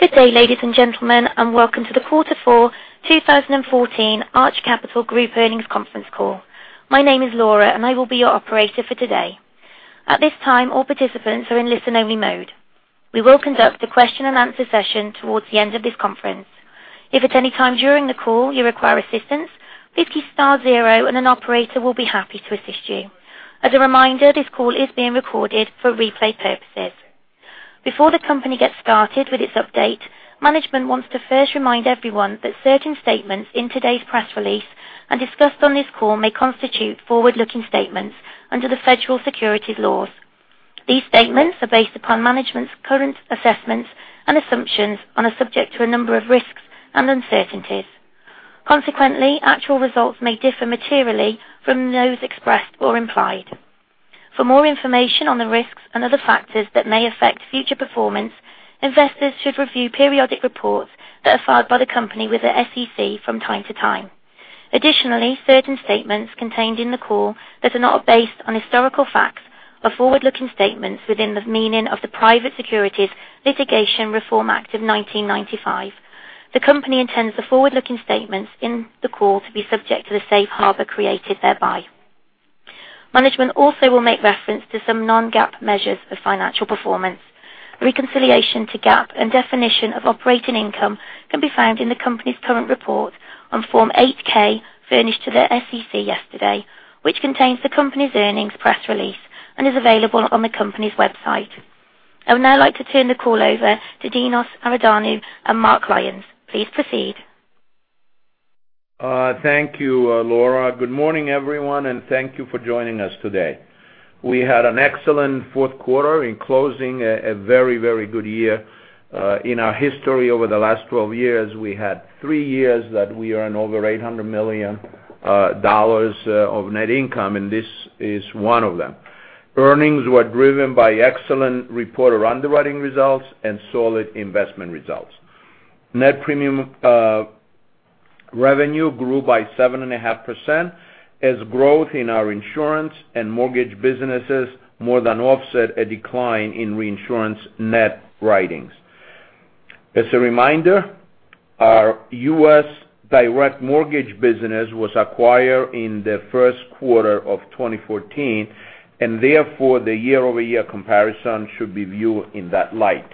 Good day, ladies and gentlemen, and welcome to the Fourth Quarter 2014 Arch Capital Group Earnings Conference Call. My name is Laura, and I will be your operator for today. At this time, all participants are in listen-only mode. We will conduct a question-and-answer session towards the end of this conference. If at any time during the call you require assistance, please press star zero, and an operator will be happy to assist you. As a reminder, this call is being recorded for replay purposes. Before the company gets started with its update, management wants to first remind everyone that certain statements in today's press release and discussed on this call may constitute forward-looking statements under the federal securities laws. Actual results may differ materially from those expressed or implied. For more information on the risks and other factors that may affect future performance, investors should review periodic reports that are filed by the company with the SEC from time to time. Additionally, certain statements contained in the call that are not based on historical facts are forward-looking statements within the meaning of the Private Securities Litigation Reform Act of 1995. The company intends the forward-looking statements in the call to be subject to the safe harbor created thereby. Management also will make reference to some non-GAAP measures of financial performance. Reconciliation to GAAP and definition of operating income can be found in the company's current report on Form 8-K furnished to the SEC yesterday, which contains the company's earnings press release and is available on the company's website. I would now like to turn the call over to Dinos Iordanou and Mark Lyons. Please proceed. Thank you, Laura. Good morning, everyone, and thank you for joining us today. We had an excellent fourth quarter in closing a very good year. In our history over the last 12 years, we had three years that we earned over $800 million of net income, and this is one of them. Earnings were driven by excellent reported underwriting results and solid investment results. Net premium revenue grew by 7.5% as growth in our insurance and mortgage businesses more than offset a decline in reinsurance net writings. As a reminder, our U.S. direct mortgage business was acquired in the first quarter of 2014, and therefore, the year-over-year comparison should be viewed in that light.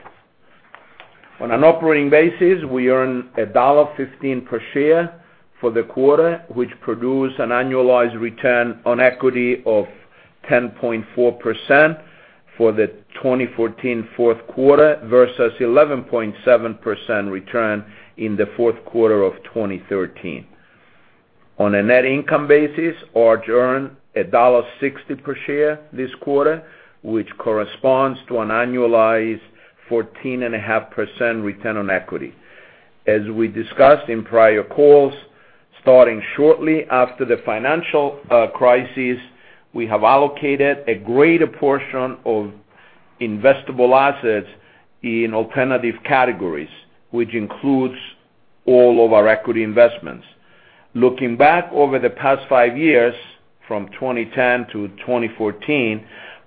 On an operating basis, we earn $1.15 per share for the quarter, which produced an annualized return on equity of 10.4% for the 2014 fourth quarter versus 11.7% return in the fourth quarter of 2013. On a net income basis, Arch earned $1.60 per share this quarter, which corresponds to an annualized 14.5% return on equity. As we discussed in prior calls, starting shortly after the financial crisis, we have allocated a greater portion of investable assets in alternative categories, which includes all of our equity investments. Looking back over the past five years, from 2010-2014,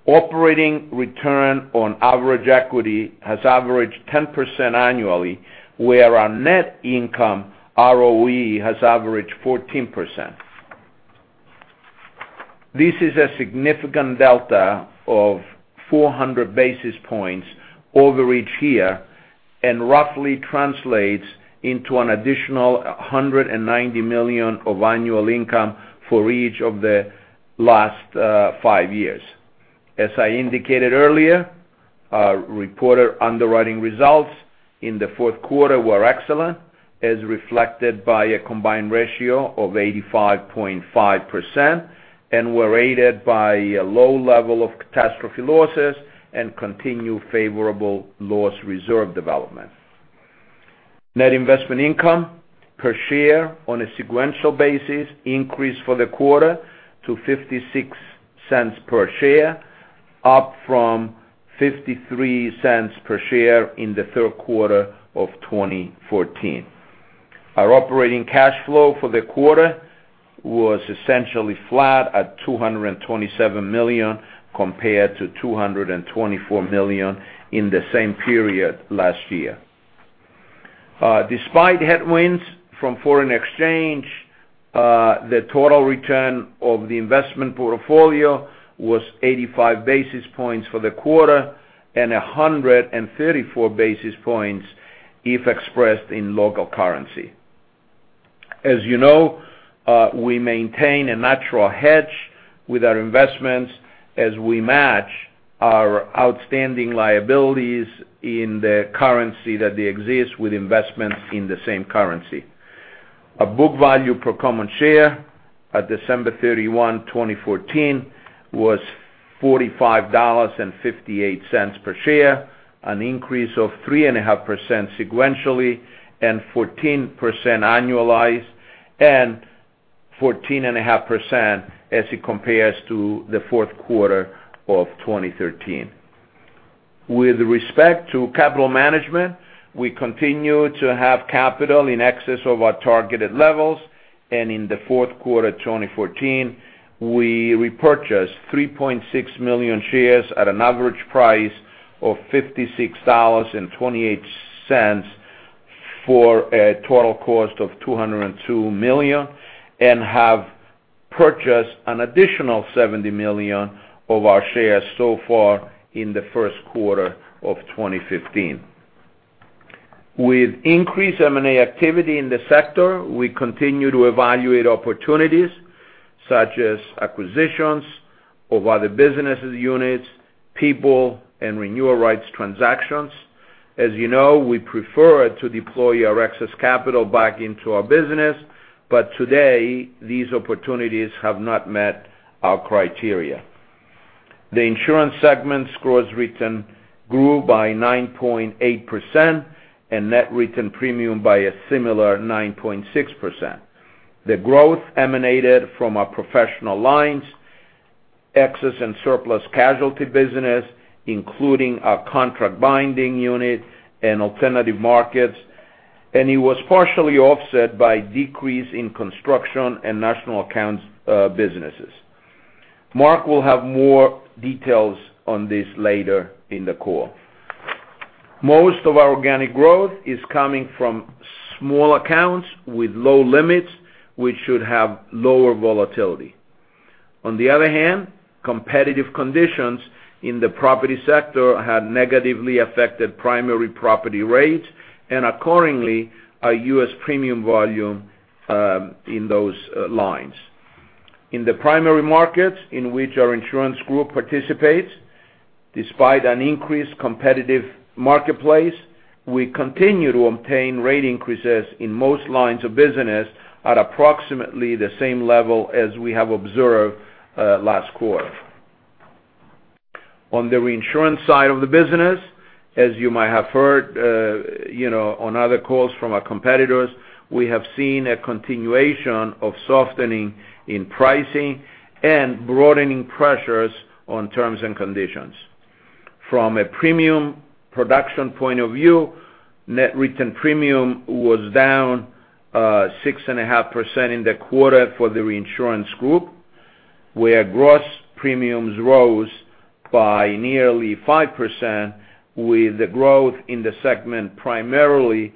operating return on average equity has averaged 10% annually, where our net income ROE has averaged 14%. This is a significant delta of 400 basis points over each year and roughly translates into an additional $190 million of annual income for each of the last five years. As I indicated earlier, our reported underwriting results in the fourth quarter were excellent, as reflected by a combined ratio of 85.5% and were aided by a low level of catastrophe losses and continued favorable loss reserve development. Net investment income per share on a sequential basis increased for the quarter to $0.56 per share, up from $0.53 per share in the third quarter of 2014. Our operating cash flow for the quarter was essentially flat at $227 million, compared to $224 million in the same period last year. Despite headwinds from foreign exchange, the total return of the investment portfolio was 85 basis points for the quarter and 134 basis points if expressed in local currency. As you know, we maintain a natural hedge with our investments as we match our outstanding liabilities in the currency that they exist with investments in the same currency. Our book value per common share at December 31, 2014, was $45.58 per share, an increase of 3.5% sequentially and 14% annualized and 14.5% as it compares to the fourth quarter of 2013. With respect to capital management, we continue to have capital in excess of our targeted levels. In the fourth quarter of 2014, we repurchased 3.6 million shares at an average price of $56.28 for a total cost of $202 million and have purchased an additional $70 million of our shares so far in the first quarter of 2015. With increased M&A activity in the sector, we continue to evaluate opportunities such as acquisitions of other business units, people, and renewal rights transactions. As you know, we prefer to deploy our excess capital back into our business, but today, these opportunities have not met our criteria. The insurance segment's gross written grew by 9.8% and net written premium by a similar 9.6%. The growth emanated from our professional lines, excess and surplus casualty business, including our contract binding unit and alternative markets, and it was partially offset by decrease in construction and national accounts businesses. Mark will have more details on this later in the call. Most of our organic growth is coming from small accounts with low limits, which should have lower volatility. On the other hand, competitive conditions in the property sector have negatively affected primary property rates and accordingly, our U.S. premium volume in those lines. In the primary markets in which our insurance group participates, despite an increased competitive marketplace, we continue to obtain rate increases in most lines of business at approximately the same level as we have observed last quarter. On the reinsurance side of the business, as you might have heard on other calls from our competitors, we have seen a continuation of softening in pricing and broadening pressures on terms and conditions. From a premium production point of view, net written premium was down 6.5% in the quarter for the reinsurance group, where gross premiums rose by nearly 5% with the growth in the segment primarily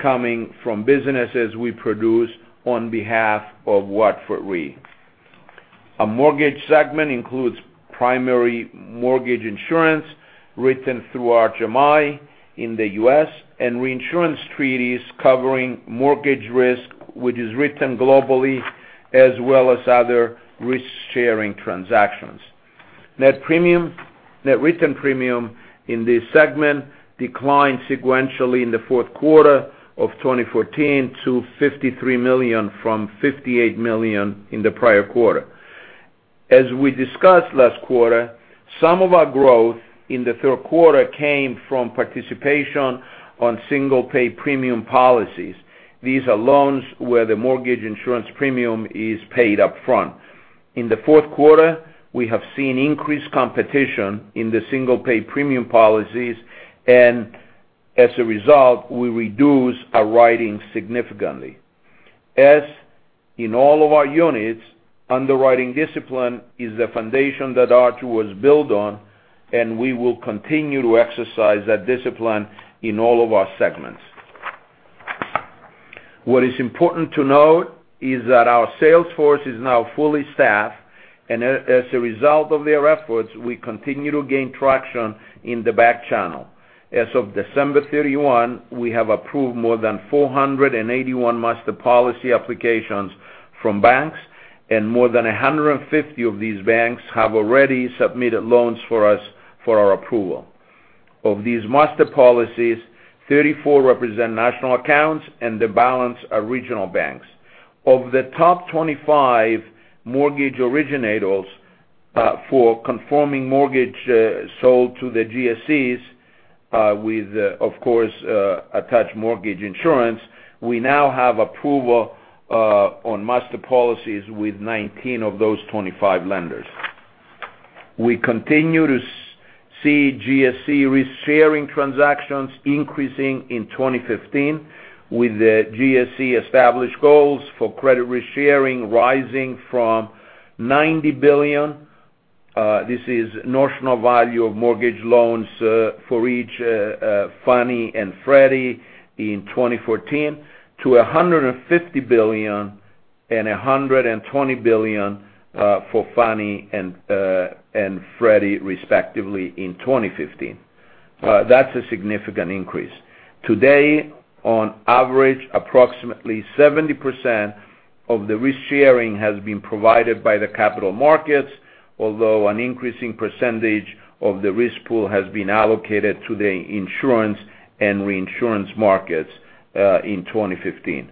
coming from businesses we produce on behalf of Watford Re. Our mortgage segment includes primary mortgage insurance written through Arch MI in the U.S. and reinsurance treaties covering mortgage risk, which is written globally, as well as other risk-sharing transactions. Net written premium in this segment declined sequentially in the fourth quarter of 2014 to $53 million from $58 million in the prior quarter. As we discussed last quarter, some of our growth in the third quarter came from participation on single paid premium policies. These are loans where the mortgage insurance premium is paid upfront. In the fourth quarter, we have seen increased competition in the single paid premium policies. As a result, we reduced our writing significantly. As in all of our units, underwriting discipline is the foundation that Arch was built on, and we will continue to exercise that discipline in all of our segments. What is important to note is that our sales force is now fully staffed. As a result of their efforts, we continue to gain traction in the back channel. As of December 31, we have approved more than 481 master policy applications from banks. More than 150 of these banks have already submitted loans for us for our approval. Of these master policies, 34 represent national accounts. The balance are regional banks. Of the top 25 mortgage originators for conforming mortgage sold to the GSEs with, of course, attached mortgage insurance, we now have approval on master policies with 19 of those 25 lenders. We continue to see GSE risk sharing transactions increasing in 2015 with the GSE established goals for credit risk sharing rising from $90 billion. This is notional value of mortgage loans for each Fannie and Freddie in 2014 to $150 billion and $120 billion for Fannie and Freddie respectively in 2015. That's a significant increase. Today, on average, approximately 70% of the risk sharing has been provided by the capital markets, although an increasing percentage of the risk pool has been allocated to the insurance and reinsurance markets in 2015.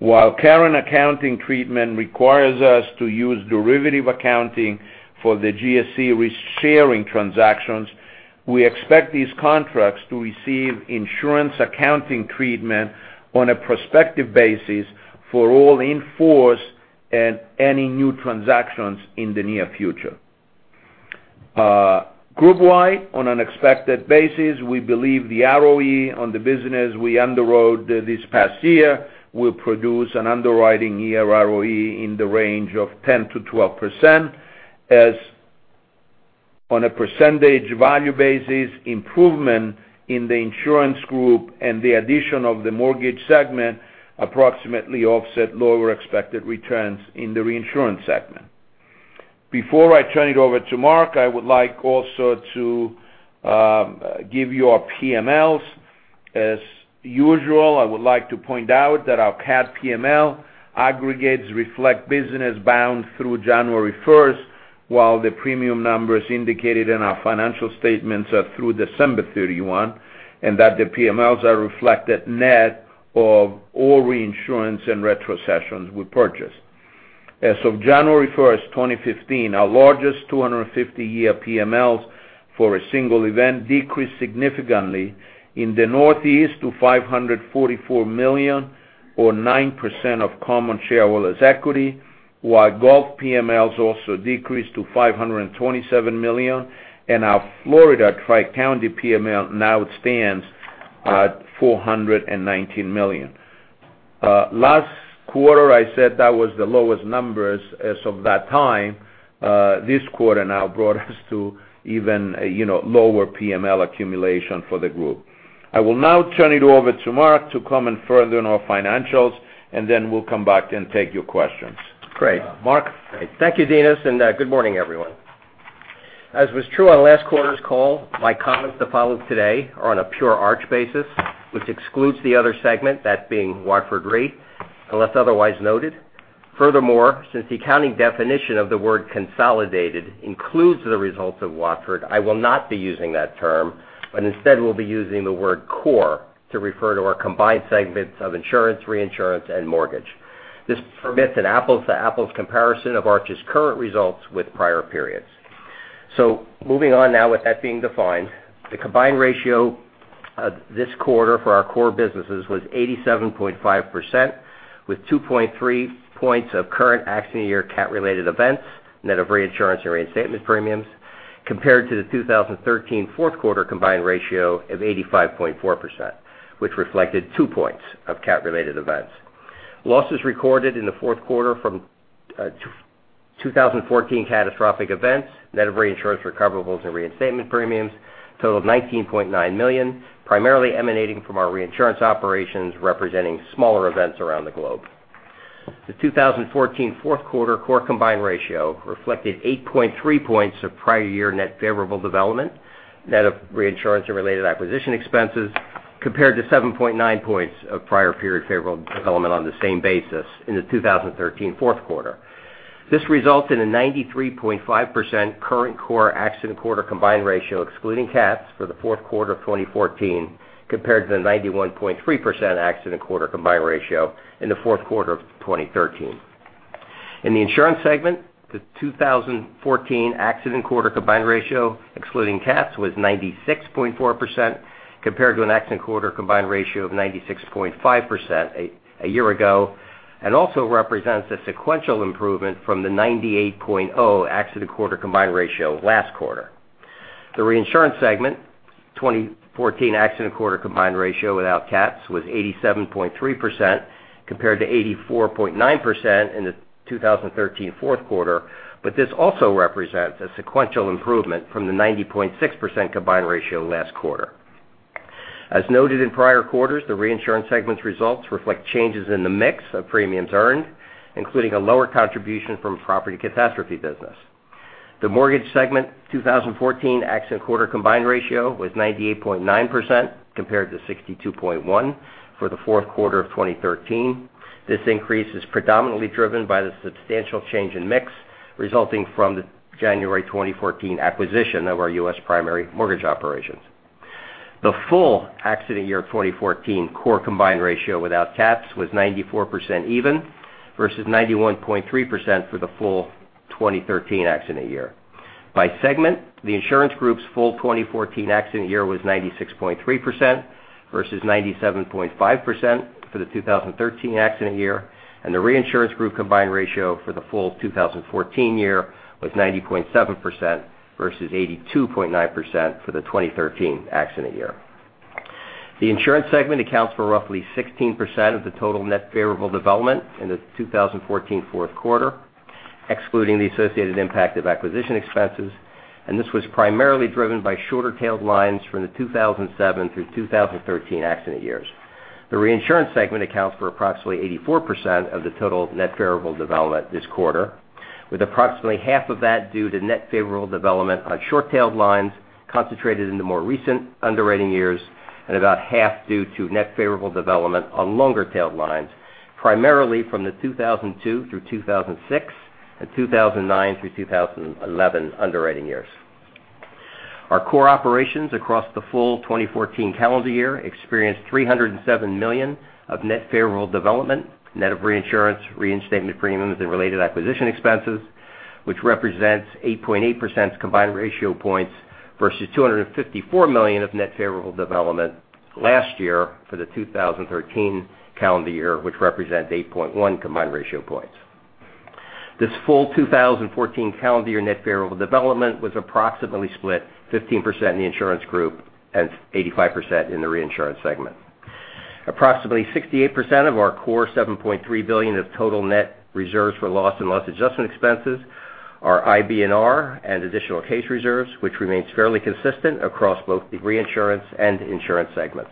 While current accounting treatment requires us to use derivative accounting for the GSE risk sharing transactions, we expect these contracts to receive insurance accounting treatment on a prospective basis for all in force and any new transactions in the near future. Group wide, on an expected basis, we believe the ROE on the business we underwrote this past year will produce an underwriting year ROE in the range of 10%-12%. On a percentage value basis, improvement in the insurance group and the addition of the mortgage segment approximately offset lower expected returns in the reinsurance segment. Before I turn it over to Mark, I would like also to give you our PMLs. As usual, I would like to point out that our cat PML aggregates reflect business bound through January 1, while the premium numbers indicated in our financial statements are through December 31, and that the PMLs are reflected net of all reinsurance and retrocessions we purchased. As of January 1, 2015, our largest 250-year PMLs for a single event decreased significantly in the Northeast to $544 million, or 9% of common shareholders' equity, while Gulf PMLs also decreased to $527 million, and our Florida Tri-County PML now stands at $419 million. Last quarter, I said that was the lowest numbers as of that time. This quarter now brought us to even lower PML accumulation for the group. I will now turn it over to Mark to comment further on our financials, and then we'll come back and take your questions. Great. Mark? Thank you, Dinos, good morning, everyone. As was true on last quarter's call, my comments that follow today are on a pure Arch basis, which excludes the other segment, that being Watford Re, unless otherwise noted. Furthermore, since the accounting definition of the word consolidated includes the results of Watford, I will not be using that term, but instead will be using the word core to refer to our combined segments of insurance, reinsurance, and mortgage. This permits an apples-to-apples comparison of Arch's current results with prior periods. Moving on now with that being defined. The combined ratio this quarter for our core businesses was 87.5%, with 2.3 points of current accident year cat-related events, net of reinsurance and reinstatement premiums, compared to the 2013 fourth quarter combined ratio of 85.4%, which reflected 2 points of cat-related events. Losses recorded in the fourth quarter from 2014 catastrophic events, net of reinsurance recoverables and reinstatement premiums, total of $19.9 million, primarily emanating from our reinsurance operations, representing smaller events around the globe. The 2014 fourth quarter core combined ratio reflected 8.3 points of prior year net favorable development, net of reinsurance and related acquisition expenses, compared to 7.9 points of prior period favorable development on the same basis in the 2013 fourth quarter. This results in a 93.5% current core accident quarter combined ratio, excluding cats, for the fourth quarter of 2014, compared to the 91.3% accident quarter combined ratio in the fourth quarter of 2013. In the insurance segment, the 2014 accident quarter combined ratio, excluding cats, was 96.4%, compared to an accident quarter combined ratio of 96.5% a year ago, also represents a sequential improvement from the 98.0% accident quarter combined ratio last quarter. The reinsurance segment 2014 accident quarter combined ratio without cats, was 87.3%, compared to 84.9% in the 2013 fourth quarter, this also represents a sequential improvement from the 90.6% combined ratio last quarter. As noted in prior quarters, the reinsurance segment's results reflect changes in the mix of premiums earned, including a lower contribution from property catastrophe business. The mortgage segment 2014 accident quarter combined ratio was 98.9%, compared to 62.1% for the fourth quarter of 2013. This increase is predominantly driven by the substantial change in mix resulting from the January 2014 acquisition of our U.S. primary mortgage operations. The full accident year 2014 core combined ratio without cats was 94% even, versus 91.3% for the full 2013 accident year. By segment, the insurance group's full 2014 accident year was 96.3%, versus 97.5% for the 2013 accident year. The reinsurance group combined ratio for the full 2014 year was 90.7%, versus 82.9% for the 2013 accident year. The insurance segment accounts for roughly 16% of the total net favorable development in the 2014 fourth quarter, excluding the associated impact of acquisition expenses, and this was primarily driven by shorter-tailed lines from the 2007 through 2013 accident years. The reinsurance segment accounts for approximately 84% of the total net favorable development this quarter, with approximately half of that due to net favorable development on short-tailed lines concentrated in the more recent underwriting years, and about half due to net favorable development on longer-tailed lines, primarily from the 2002 through 2006, and 2009 through 2011 underwriting years. Our core operations across the full 2014 calendar year experienced $307 million of net favorable development, net of reinsurance, reinstatement premiums, and related acquisition expenses, which represents 8.8% combined ratio points versus $254 million of net favorable development last year for the 2013 calendar year, which represents 8.1 combined ratio points. This full 2014 calendar year net favorable development was approximately split 15% in the insurance group and 85% in the reinsurance segment. Approximately 68% of our core $7.3 billion of total net reserves for loss and loss adjustment expenses are IBNR and additional case reserves, which remains fairly consistent across both the reinsurance and insurance segments.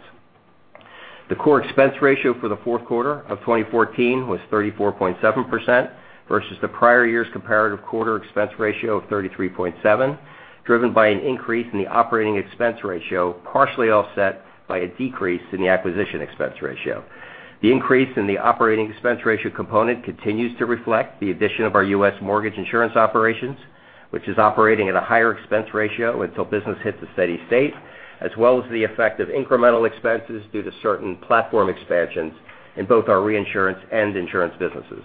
The core expense ratio for the fourth quarter of 2014 was 34.7% versus the prior year's comparative quarter expense ratio of 33.7%, driven by an increase in the operating expense ratio, partially offset by a decrease in the acquisition expense ratio. The increase in the operating expense ratio component continues to reflect the addition of our U.S. mortgage insurance operations, which is operating at a higher expense ratio until business hits a steady state, as well as the effect of incremental expenses due to certain platform expansions in both our reinsurance and insurance businesses.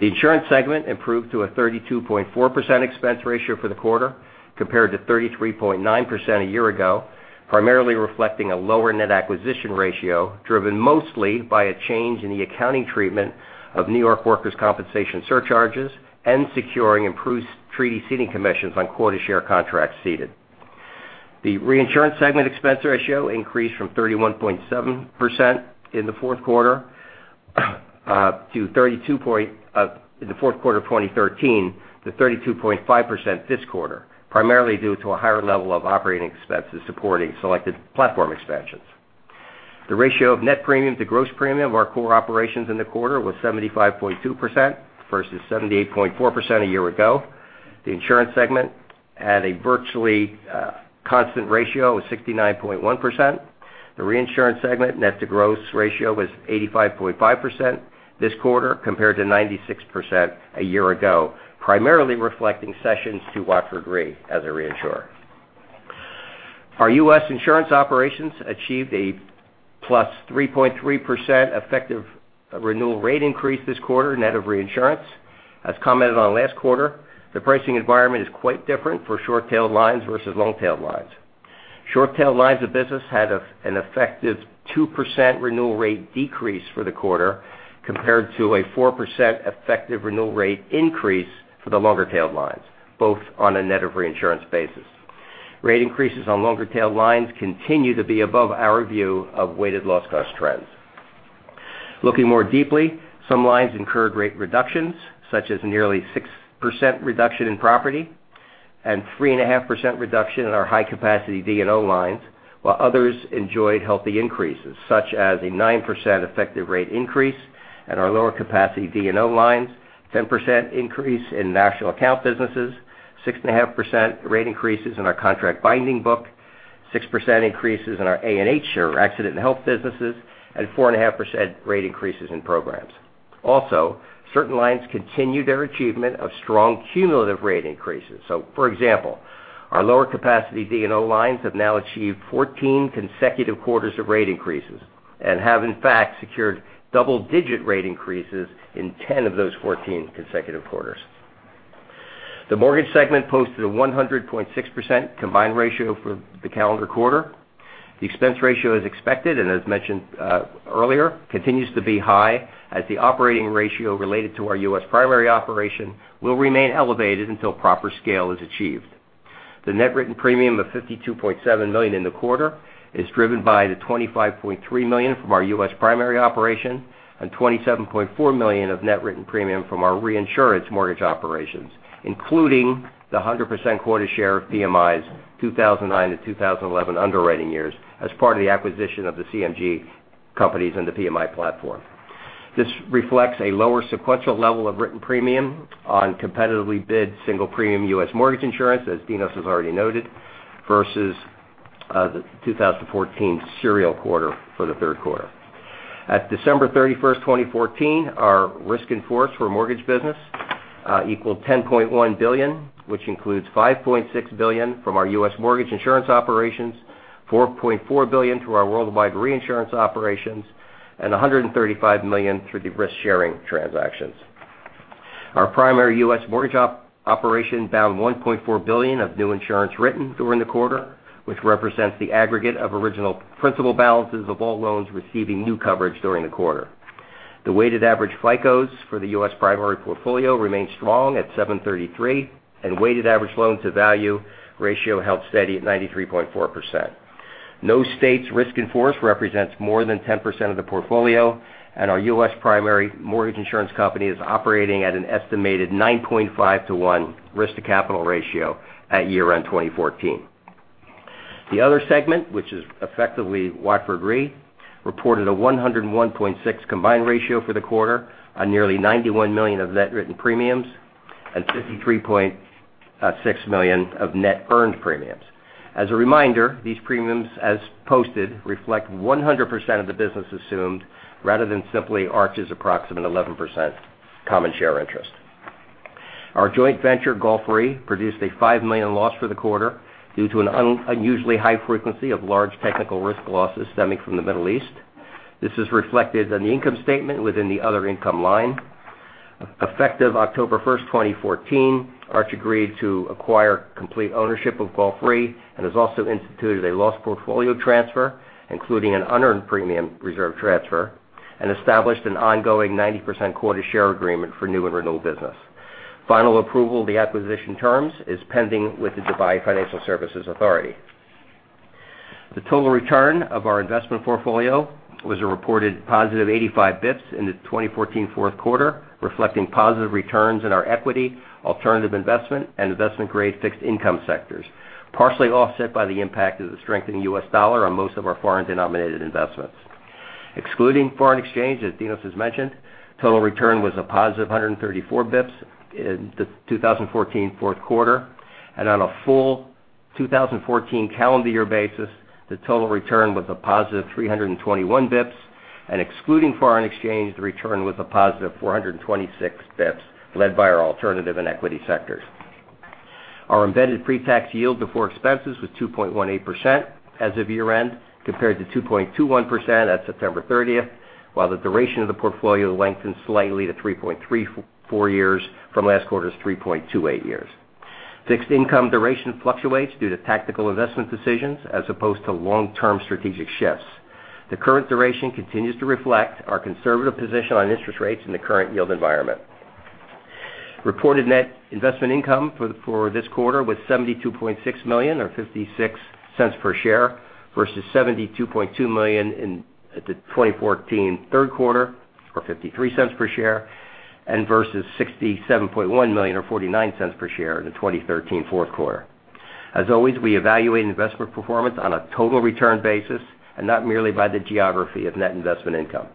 The insurance segment improved to a 32.4% expense ratio for the quarter, compared to 33.9% a year ago, primarily reflecting a lower net acquisition ratio driven mostly by a change in the accounting treatment of New York workers' compensation surcharges and securing improved treaty ceding commissions on quota share contracts ceded. The reinsurance segment expense ratio increased from 31.7% in the fourth quarter of 2013 to 32.5% this quarter, primarily due to a higher level of operating expenses supporting selected platform expansions. The ratio of net premium to gross premium of our core operations in the quarter was 75.2%, versus 78.4% a year ago. The insurance segment had a virtually constant ratio of 69.1%. The reinsurance segment net to gross ratio was 85.5% this quarter, compared to 96% a year ago, primarily reflecting sessions to Watford Re as a reinsurer. Our U.S. insurance operations achieved a plus 3.3% effective renewal rate increase this quarter, net of reinsurance. As commented on last quarter, the pricing environment is quite different for short-tailed lines versus long-tailed lines. Short-tailed lines of business had an effective 2% renewal rate decrease for the quarter, compared to a 4% effective renewal rate increase for the longer-tailed lines, both on a net of reinsurance basis. Rate increases on longer-tail lines continue to be above our view of weighted loss cost trends. Looking more deeply, some lines incurred rate reductions, such as nearly 6% reduction in property and 3.5% reduction in our high capacity D&O lines, while others enjoyed healthy increases, such as a 9% effective rate increase in our lower capacity D&O lines, 10% increase in national account businesses, 6.5% rate increases in our contract binding book, 6% increases in our A&H, or accident and health businesses, and 4.5% rate increases in programs. For example, certain lines continue their achievement of strong cumulative rate increases. Our lower capacity D&O lines have now achieved 14 consecutive quarters of rate increases and have in fact secured double digit rate increases in 10 of those 14 consecutive quarters. The mortgage segment posted a 100.6% combined ratio for the calendar quarter. The expense ratio as expected, and as mentioned earlier, continues to be high, as the operating ratio related to our U.S. primary operation will remain elevated until proper scale is achieved. The net written premium of $52.7 million in the quarter is driven by the $25.3 million from our U.S. primary operation and $27.4 million of net written premium from our reinsurance mortgage operations, including the 100% quota share of PMI's 2009-2011 underwriting years as part of the acquisition of the CMG companies and the PMI platform. This reflects a lower sequential level of written premium on competitively bid single premium U.S. mortgage insurance, as Dinos has already noted, versus the 2014 prior year quarter for the third quarter. At December 31st, 2014, our risk in force for mortgage business equaled $10.1 billion, which includes $5.6 billion from our U.S. mortgage insurance operations, $4.4 billion through our worldwide reinsurance operations, and $135 million through the risk sharing transactions. Our primary U.S. mortgage operation bound $1.4 billion of new insurance written during the quarter, which represents the aggregate of original principal balances of all loans receiving new coverage during the quarter. The weighted average FICO for the U.S. primary portfolio remains strong at 733, and weighted average loan to value ratio held steady at 93.4%. No state's risk in force represents more than 10% of the portfolio, and our U.S. primary mortgage insurance company is operating at an estimated 9.5 to one risk-to-capital ratio at year end 2014. The other segment, which is effectively Watford Re, reported a 101.6% combined ratio for the quarter on nearly $91 million of net written premiums and $53.6 million of net earned premiums. As a reminder, these premiums as posted reflect 100% of the business assumed rather than simply Arch's approximate 11% common share interest. Our joint venture, Gulf Re, produced a $5 million loss for the quarter due to an unusually high frequency of large technical risk losses stemming from the Middle East. Effective October 1st, 2014, Arch agreed to acquire complete ownership of Gulf Re and has also instituted a loss portfolio transfer, including an unearned premium reserve transfer, and established an ongoing 90% quota share agreement for new and renewal business. Final approval of the acquisition terms is pending with the Dubai Financial Services Authority. The total return of our investment portfolio was a reported +85 bps in the 2014 fourth quarter, reflecting positive returns in our equity, alternative investment, and investment-grade fixed income sectors, partially offset by the impact of the strengthening U.S. dollar on most of our foreign-denominated investments. Excluding foreign exchange, as Dinos has mentioned, total return was a +134 bps in the 2014 fourth quarter, and on a full 2014 calendar year basis, the total return was a +321 bps. Excluding foreign exchange, the return was a +426 bps, led by our alternative and equity sectors. Our embedded pre-tax yield before expenses was 2.18% as of year-end, compared to 2.21% at September 30th. While the duration of the portfolio lengthened slightly to 3.34 years from last quarter's 3.28 years. Fixed income duration fluctuates due to tactical investment decisions as opposed to long-term strategic shifts. The current duration continues to reflect our conservative position on interest rates in the current yield environment. Reported net investment income for this quarter was $72.6 million, or $0.56 per share, versus $72.2 million at the 2014 third quarter, or $0.53 per share, and versus $67.1 million or $0.49 per share in the 2013 fourth quarter. As always, we evaluate investment performance on a total return basis and not merely by the geography of net investment income.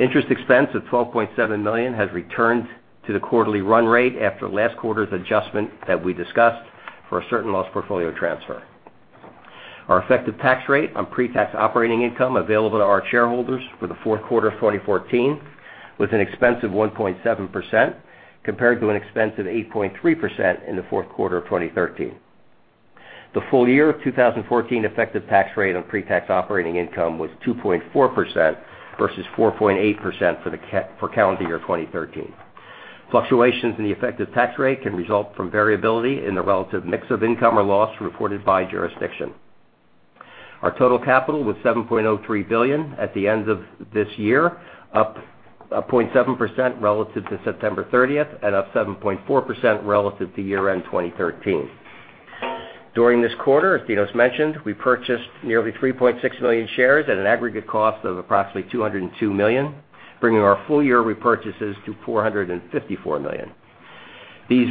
Interest expense of $12.7 million has returned to the quarterly run rate after last quarter's adjustment that we discussed for a certain loss portfolio transfer. Our effective tax rate on pre-tax operating income available to our shareholders for the fourth quarter of 2014 was an expense of 1.7%, compared to an expense of 8.3% in the fourth quarter of 2013. The full year of 2014 effective tax rate on pre-tax operating income was 2.4% versus 4.8% for calendar year 2013. Fluctuations in the effective tax rate can result from variability in the relative mix of income or loss reported by jurisdiction. Our total capital was $7.03 billion at the end of this year, up 0.7% relative to September 30th and up 7.4% relative to year-end 2013. During this quarter, as Dinos mentioned, we purchased nearly 3.6 million shares at an aggregate cost of approximately $202 million, bringing our full-year repurchases to $454 million. These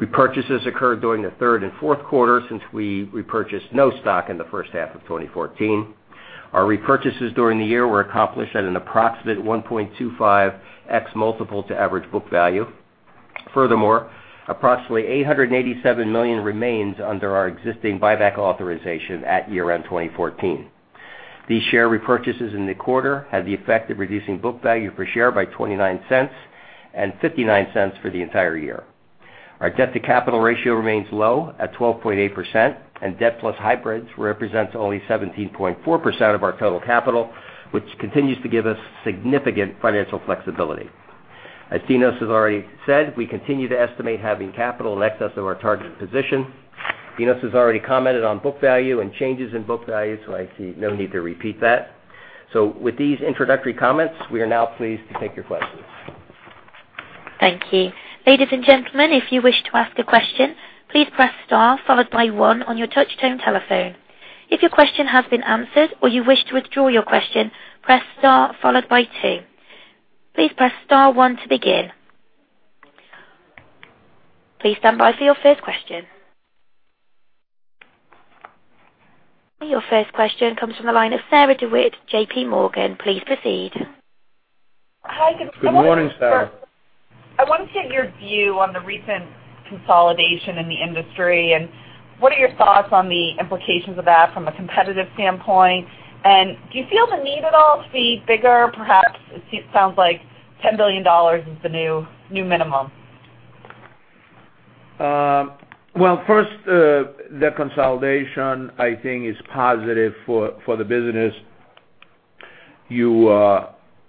repurchases occurred during the third and fourth quarter since we repurchased no stock in the first half of 2014. Our repurchases during the year were accomplished at an approximate 1.25x multiple to average book value. Furthermore, approximately $887 million remains under our existing buyback authorization at year-end 2014. These share repurchases in the quarter had the effect of reducing book value per share by $0.29 and $0.59 for the entire year. Our debt-to-capital ratio remains low at 12.8%, and debt plus hybrids represents only 17.4% of our total capital, which continues to give us significant financial flexibility. As Dinos has already said, we continue to estimate having capital in excess of our target position. Dinos has already commented on book value and changes in book value, I see no need to repeat that. With these introductory comments, we are now pleased to take your questions. Thank you. Ladies and gentlemen, if you wish to ask a question, please press star followed by one on your touchtone telephone. If your question has been answered or you wish to withdraw your question, press star followed by two. Please press star one to begin. Please stand by for your first question. Your first question comes from the line of Sarah DeWitt, JPMorgan. Please proceed. Good morning, Sarah. I wanted to get your view on the recent consolidation in the industry. What are your thoughts on the implications of that from a competitive standpoint, do you feel the need at all to be bigger, perhaps? It sounds like $10 billion is the new minimum. Well, first, the consolidation I think is positive for the business. You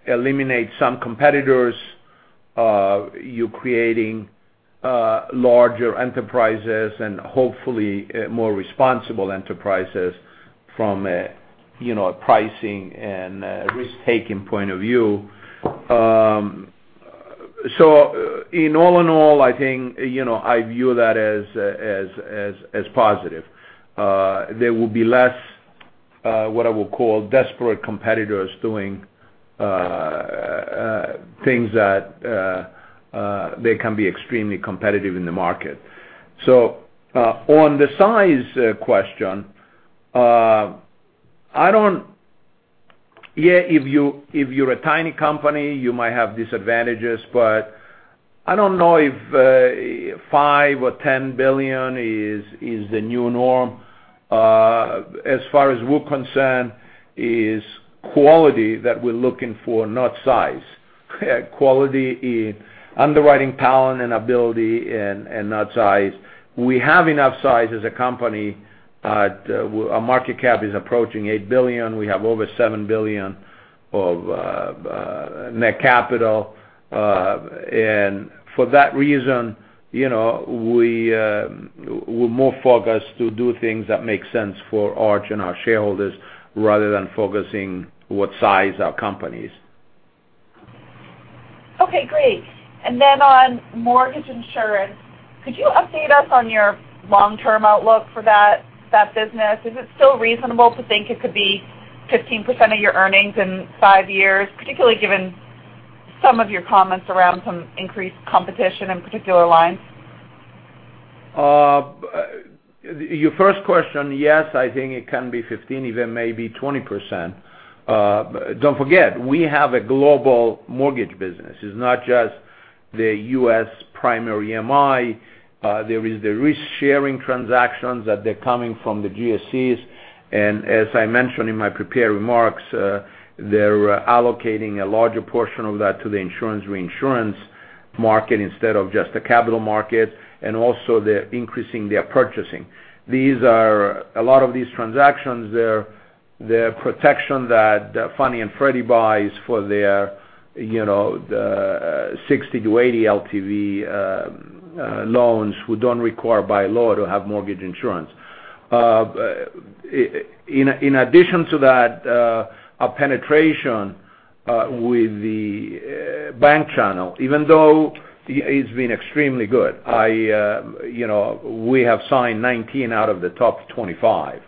eliminate some competitors, you're creating larger enterprises and hopefully more responsible enterprises from a pricing and risk-taking point of view. All in all, I view that as positive. There will be less, what I will call desperate competitors doing things that they can be extremely competitive in the market. On the size question, if you're a tiny company, you might have disadvantages, but I don't know if $5 billion or $10 billion is the new norm. As far as we're concerned, it is quality that we're looking for, not size. Quality in underwriting talent and ability and not size. We have enough size as a company. Our market cap is approaching $8 billion. We have over $7 billion of net capital. For that reason, we're more focused to do things that make sense for Arch and our shareholders rather than focusing what size our company is. Okay, great. On mortgage insurance, could you update us on your long-term outlook for that business? Is it still reasonable to think it could be 15% of your earnings in five years, particularly given some of your comments around some increased competition in particular lines? Your first question, yes, I think it can be 15%, even maybe 20%. Don't forget, we have a global mortgage business. It's not just the U.S. primary MI. There is the risk-sharing transactions that are coming from the GSEs. As I mentioned in my prepared remarks, they're allocating a larger portion of that to the insurance reinsurance market instead of just the capital market, also they're increasing their purchasing. A lot of these transactions, they're protection that Fannie Mae and Freddie Mac buys for their 60-80 LTV loans who don't require by law to have mortgage insurance. In addition to that, our penetration with the bank channel, even though it's been extremely good. We have signed 19 out of the top 25.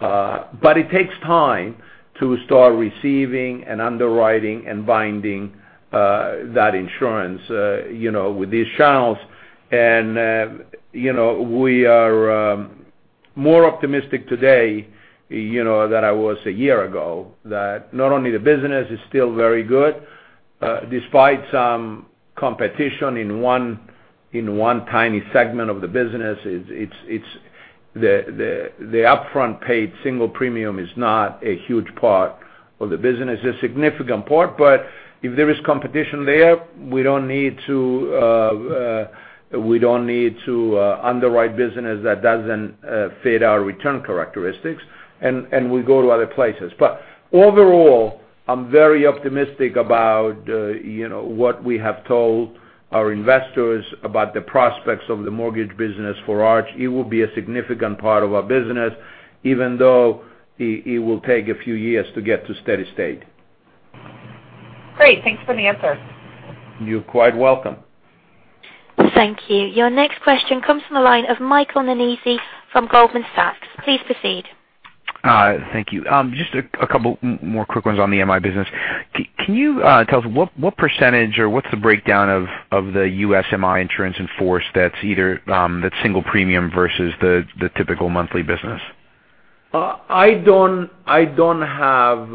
It takes time to start receiving and underwriting and binding that insurance with these channels. We are more optimistic today than I was a year ago, that not only the business is still very good, despite some competition in one tiny segment of the business. The upfront paid single premium is not a huge part of the business. A significant part, if there is competition there, we don't need to underwrite business that doesn't fit our return characteristics, and we go to other places. Overall, I'm very optimistic about what we have told our investors about the prospects of the mortgage business for Arch. It will be a significant part of our business, even though it will take a few years to get to steady state. Great. Thanks for the answer. You're quite welcome. Thank you. Your next question comes from the line of Michael Nannizzi from Goldman Sachs. Please proceed. Thank you. Just a couple more quick ones on the MI business. Can you tell us what percentage or what's the breakdown of the U.S. MI insurance in force that's single premium versus the typical monthly business? I don't have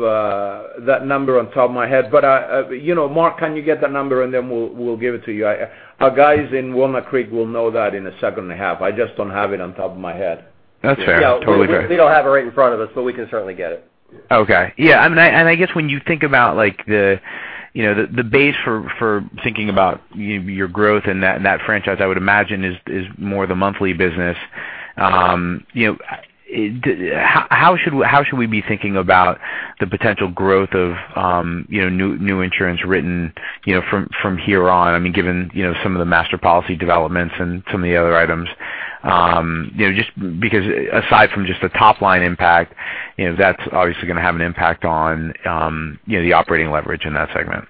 that number on top of my head. Mark, can you get that number and then we'll give it to you. Our guys in Walnut Creek will know that in a second and a half. I just don't have it on top of my head. That's fair. Totally fair. We don't have it right in front of us, we can certainly get it. Okay. Yeah. I guess when you think about the base for thinking about your growth in that franchise, I would imagine is more the monthly business. How should we be thinking about the potential growth of new insurance written from here on? Given some of the master policy developments and some of the other items. Just because aside from just the top-line impact, that's obviously going to have an impact on the operating leverage in that segment.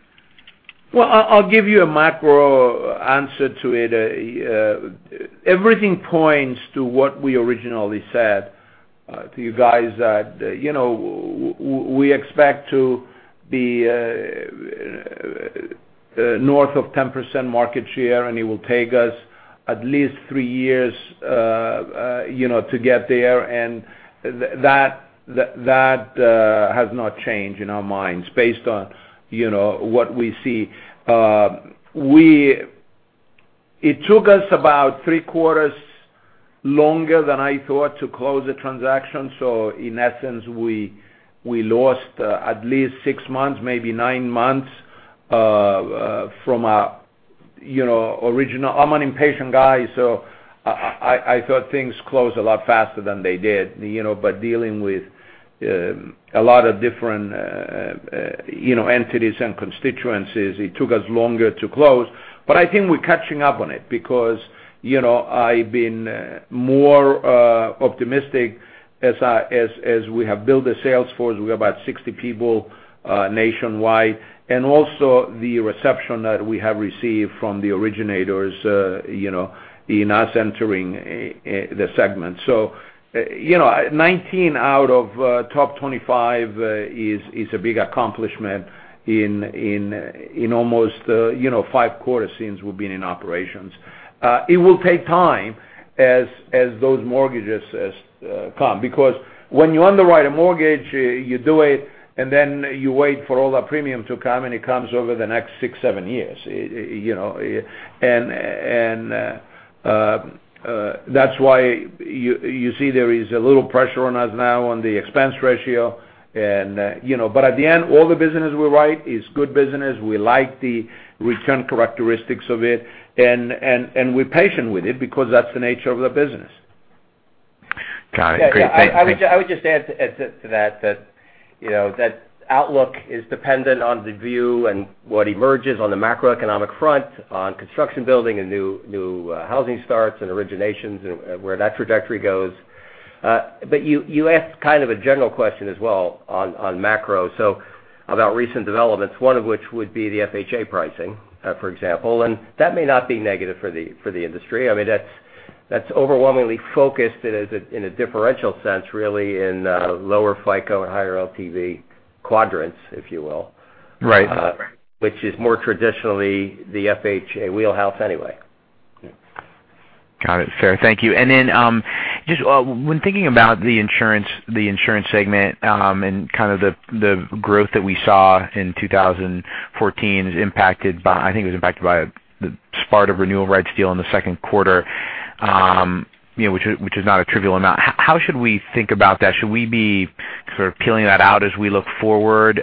I'll give you a macro answer to it. Everything points to what we originally said to you guys, that we expect to be north of 10% market share, and it will take us at least three years to get there. That has not changed in our minds based on what we see. It took us about three quarters longer than I thought to close the transaction. In essence, we lost at least six months, maybe nine months from our original. I'm an impatient guy, so I thought things closed a lot faster than they did. Dealing with a lot of different entities and constituencies, it took us longer to close. I think we're catching up on it because I've been more optimistic as we have built a sales force. We have about 60 people nationwide. Also the reception that we have received from the originators in us entering the segment. 19 out of top 25 is a big accomplishment in almost five quarters since we've been in operations. It will take time as those mortgages come, because when you underwrite a mortgage, you do it, and then you wait for all the premium to come, and it comes over the next six, seven years. That's why you see there is a little pressure on us now on the expense ratio. At the end, all the business we write is good business. We like the return characteristics of it, and we're patient with it because that's the nature of the business. Got it. Great, thanks I would just add to that outlook is dependent on the view and what emerges on the macroeconomic front on construction building and new housing starts and originations and where that trajectory goes. You asked kind of a general question as well on macro, so about recent developments, one of which would be the FHA pricing, for example. That may not be negative for the industry. That's overwhelmingly focused in a differential sense, really, in lower FICO and higher LTV quadrants, if you will. Right. Which is more traditionally the FHA wheelhouse anyway. Got it. Fair. Thank you. Just when thinking about the insurance segment and kind of the growth that we saw in 2014 is impacted by, I think it was impacted by the SPARTA renewal rights deal in the second quarter, which is not a trivial amount. How should we think about that? Should we be sort of peeling that out as we look forward?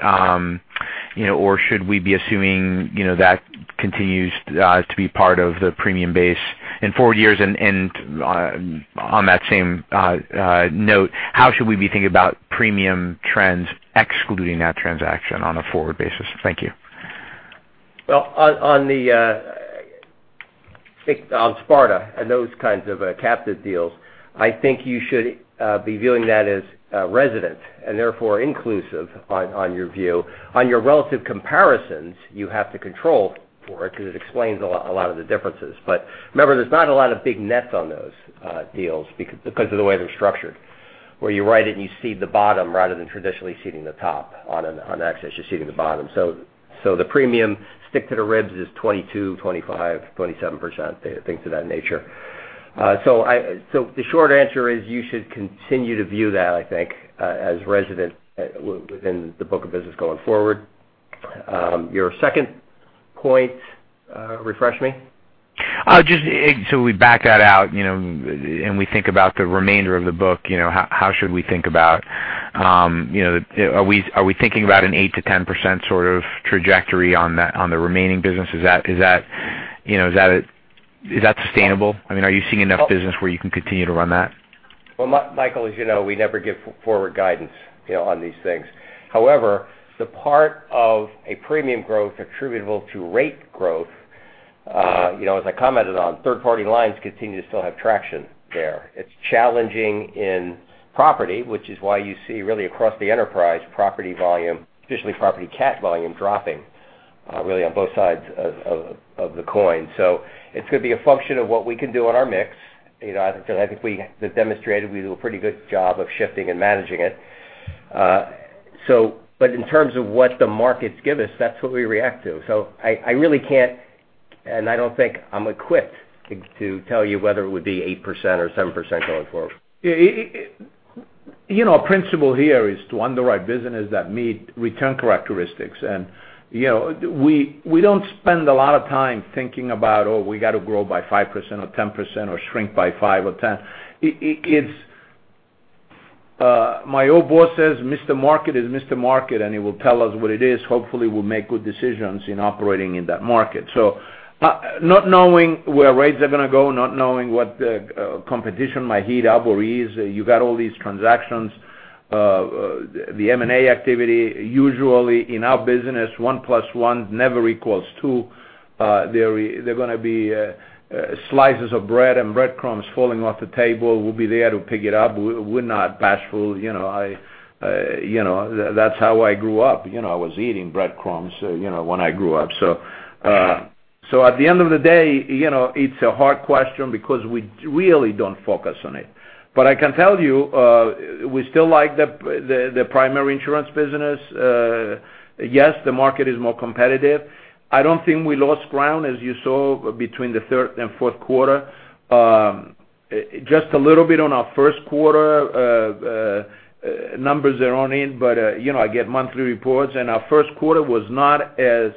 Or should we be assuming that continues to be part of the premium base in four years? On that same note, how should we be thinking about premium trends excluding that transaction on a forward basis? Thank you. Well, on SPARTA and those kinds of captive deals, I think you should be viewing that as resident and therefore inclusive on your view. On your relative comparisons, you have to control for it because it explains a lot of the differences. Remember, there's not a lot of big nets on those deals because of the way they're structured, where you write it and you cede the bottom rather than traditionally ceding the top. On excess, you're ceding the bottom. The premium stick to the ribs is 22%, 25%, 27%, things of that nature. The short answer is you should continue to view that, I think, as resident within the book of business going forward. Your second point, refresh me. Just so we back that out, we think about the remainder of the book, how should we think about, are we thinking about an 8%-10% sort of trajectory on the remaining business? Is that sustainable? Are you seeing enough business where you can continue to run that? Well, Michael, as you know, we never give forward guidance on these things. However, the part of a premium growth attributable to rate growth, as I commented on, third-party lines continue to still have traction there. It's challenging in property, which is why you see really across the enterprise property volume, especially property cat volume dropping really on both sides of the coin. It's going to be a function of what we can do on our mix. I think we have demonstrated we do a pretty good job of shifting and managing it. In terms of what the markets give us, that's what we react to. I really can't, and I don't think I'm equipped to tell you whether it would be 8% or 7% going forward. Our principle here is to underwrite businesses that meet return characteristics, and we don't spend a lot of time thinking about, oh, we got to grow by 5% or 10% or shrink by 5% or 10%. My old boss says, "Mr. Market is Mr. Market, and he will tell us what it is. Hopefully, we'll make good decisions in operating in that market." Not knowing where rates are going to go, not knowing what the competition might heat up or ease, you got all these transactions. The M&A activity, usually in our business, one plus one never equals two. There are going to be slices of bread and breadcrumbs falling off the table. We'll be there to pick it up. We're not bashful. That's how I grew up. I was eating breadcrumbs when I grew up. At the end of the day, it's a hard question because we really don't focus on it. I can tell you, we still like the primary insurance business. Yes, the market is more competitive. I don't think we lost ground, as you saw, between the third and fourth quarter. Just a little bit on our first quarter. Numbers, they're aren't in, but I get monthly reports, and our first quarter was not as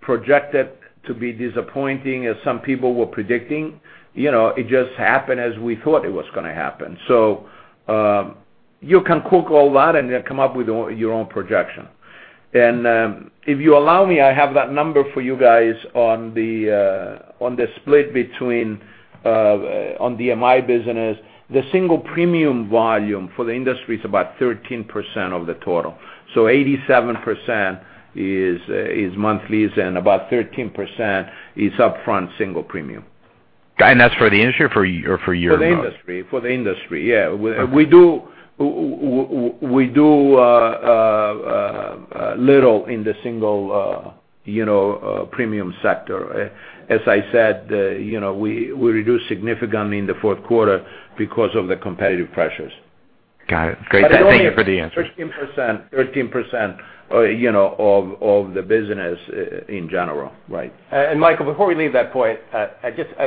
projected to be disappointing as some people were predicting. It just happened as we thought it was going to happen. You can cook all that and then come up with your own projection. If you allow me, I have that number for you guys on the split between on MI business. The single premium volume for the industry is about 13% of the total. 87% is monthlies, and about 13% is upfront single premium. Got it. That's for the industry or for your- For the industry. For the industry, yeah. Okay. We do little in the single premium sector. As I said, we reduced significantly in the fourth quarter because of the competitive pressures. Got it. Great. Thank you for the answer. 13% of the business in general. Right. Michael, before we leave that point,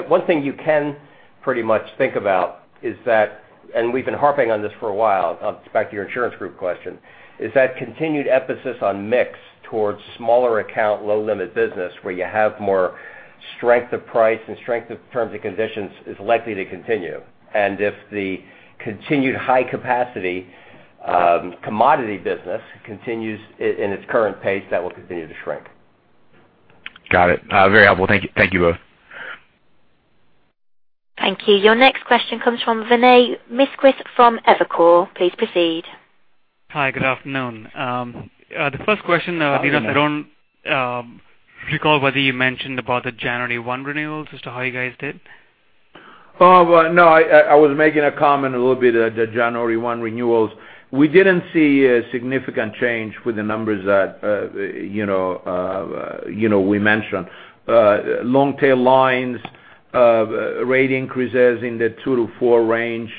one thing you can pretty much think about is that, and we've been harping on this for a while, back to your insurance group question, is that continued emphasis on mix towards smaller account, low limit business where you have more strength of price and strength of terms and conditions is likely to continue. If the continued high capacity commodity business continues in its current pace, that will continue to shrink. Got it. Very helpful. Thank you both. Thank you. Your next question comes from Vinay Misquith from Evercore. Please proceed. Hi, good afternoon. The first question, Dinos, I don't recall whether you mentioned about the January 1 renewals as to how you guys did. No, I was making a comment a little bit, the January 1 renewals. We didn't see a significant change with the numbers that we mentioned. Long-tail lines, rate increases in the two to four range,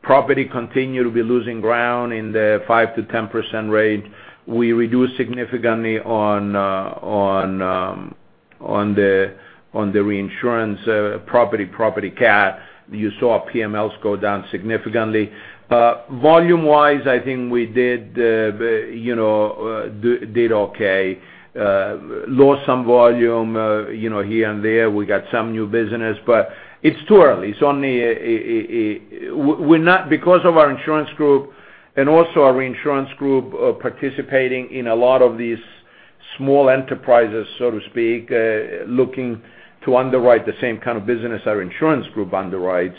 property continued to be losing ground in the 5%-10% range. We reduced significantly on the reinsurance property cat. You saw PMLs go down significantly. Volume-wise, I think we did okay. Lost some volume here and there. We got some new business, it's too early. Because of our insurance group and also our reinsurance group participating in a lot of these small enterprises, so to speak, looking to underwrite the same kind of business our insurance group underwrites,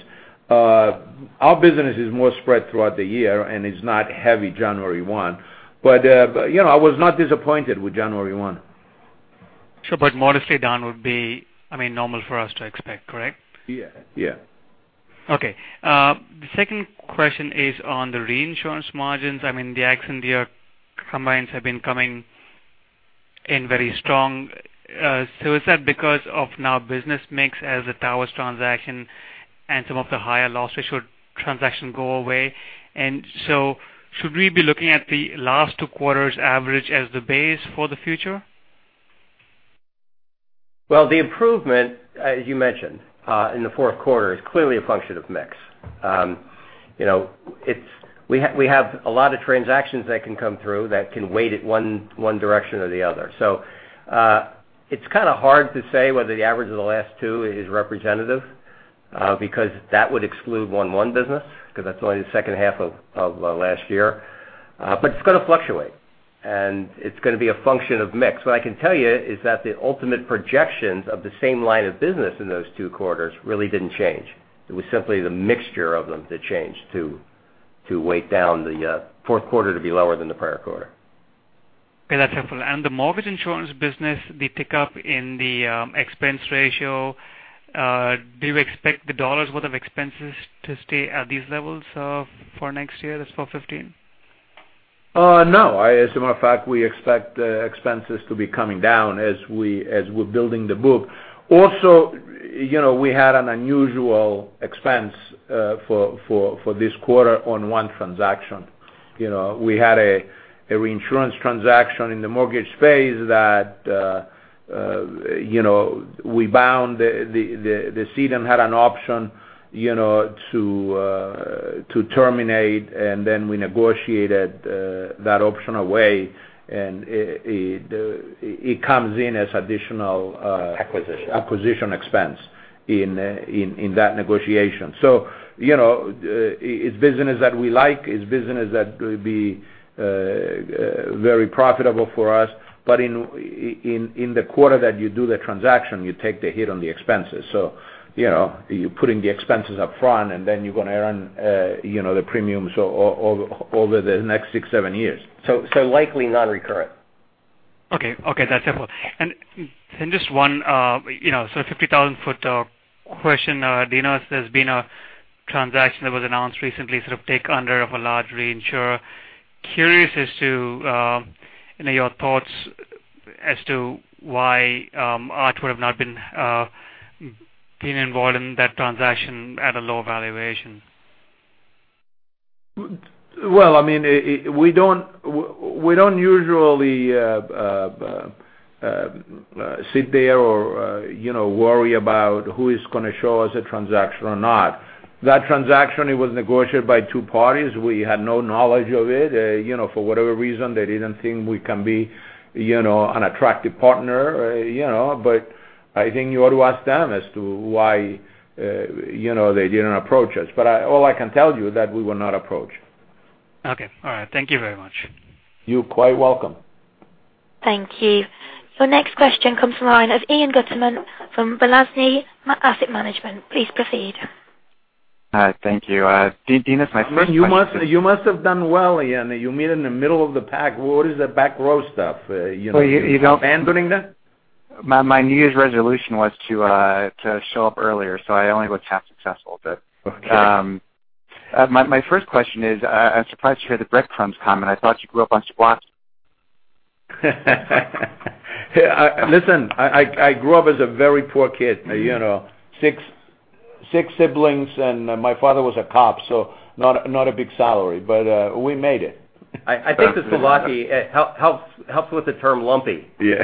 our business is more spread throughout the year, and it's not heavy January 1. I was not disappointed with January 1. Sure. Modestly down would be normal for us to expect, correct? Yeah. Okay. The second question is on the reinsurance margins. I mean, the accident year combines have been coming in very strong. Is that because of now business mix as the Towers transaction and some of the higher loss ratio transaction go away? Should we be looking at the last two quarters average as the base for the future? The improvement, as you mentioned, in the fourth quarter is clearly a function of mix. We have a lot of transactions that can come through that can weight it one direction or the other. It's kind of hard to say whether the average of the last two is representative, because that would exclude 1/1 business, because that's only the second half of last year. It's going to fluctuate, and it's going to be a function of mix. What I can tell you is that the ultimate projections of the same line of business in those two quarters really didn't change. It was simply the mixture of them that changed to weight down the fourth quarter to be lower than the prior quarter. Okay, that's helpful. The mortgage insurance business, the pickup in the expense ratio, do you expect the dollar worth of expenses to stay at these levels for next year, for 2015? No. As a matter of fact, we expect expenses to be coming down as we're building the book. Also, we had an unusual expense for this quarter on one transaction. We had a reinsurance transaction in the mortgage space that we bound. The cedent had an option to terminate, we negotiated that option away, it comes in as additional- Acquisition acquisition expense in that negotiation. It's business that we like, it's business that will be very profitable for us. In the quarter that you do the transaction, you take the hit on the expenses. You're putting the expenses up front, you're going to earn the premiums over the next six, seven years. likely non-recurrent. Okay. That's helpful. Just one sort of 50,000-foot question, Dinos. There's been a transaction that was announced recently, sort of take under of a large reinsurer. Curious as to your thoughts as to why Arch would have not been involved in that transaction at a low valuation. Well, we don't usually sit there or worry about who is going to show us a transaction or not. That transaction, it was negotiated by two parties. We had no knowledge of it. For whatever reason, they didn't think we can be an attractive partner. I think you ought to ask them as to why they didn't approach us. All I can tell you is that we were not approached. Okay. All right. Thank you very much. You're quite welcome. Thank you. Your next question comes from the line of Ian Gutterman from Balyasny Asset Management. Please proceed. Hi. Thank you. Dinos, my first question. You must have done well, Ian. You made it in the middle of the pack. What is that back row stuff? you know. Man burning there? My New Year's resolution was to show up earlier. I only was half successful. Okay. My first question is, I'm surprised you had the breadcrumbs comment. I thought you grew up on squash. Listen, I grew up as a very poor kid. Six siblings, and my father was a cop, so not a big salary, but we made it. I think the squash helps with the term lumpy. Yeah.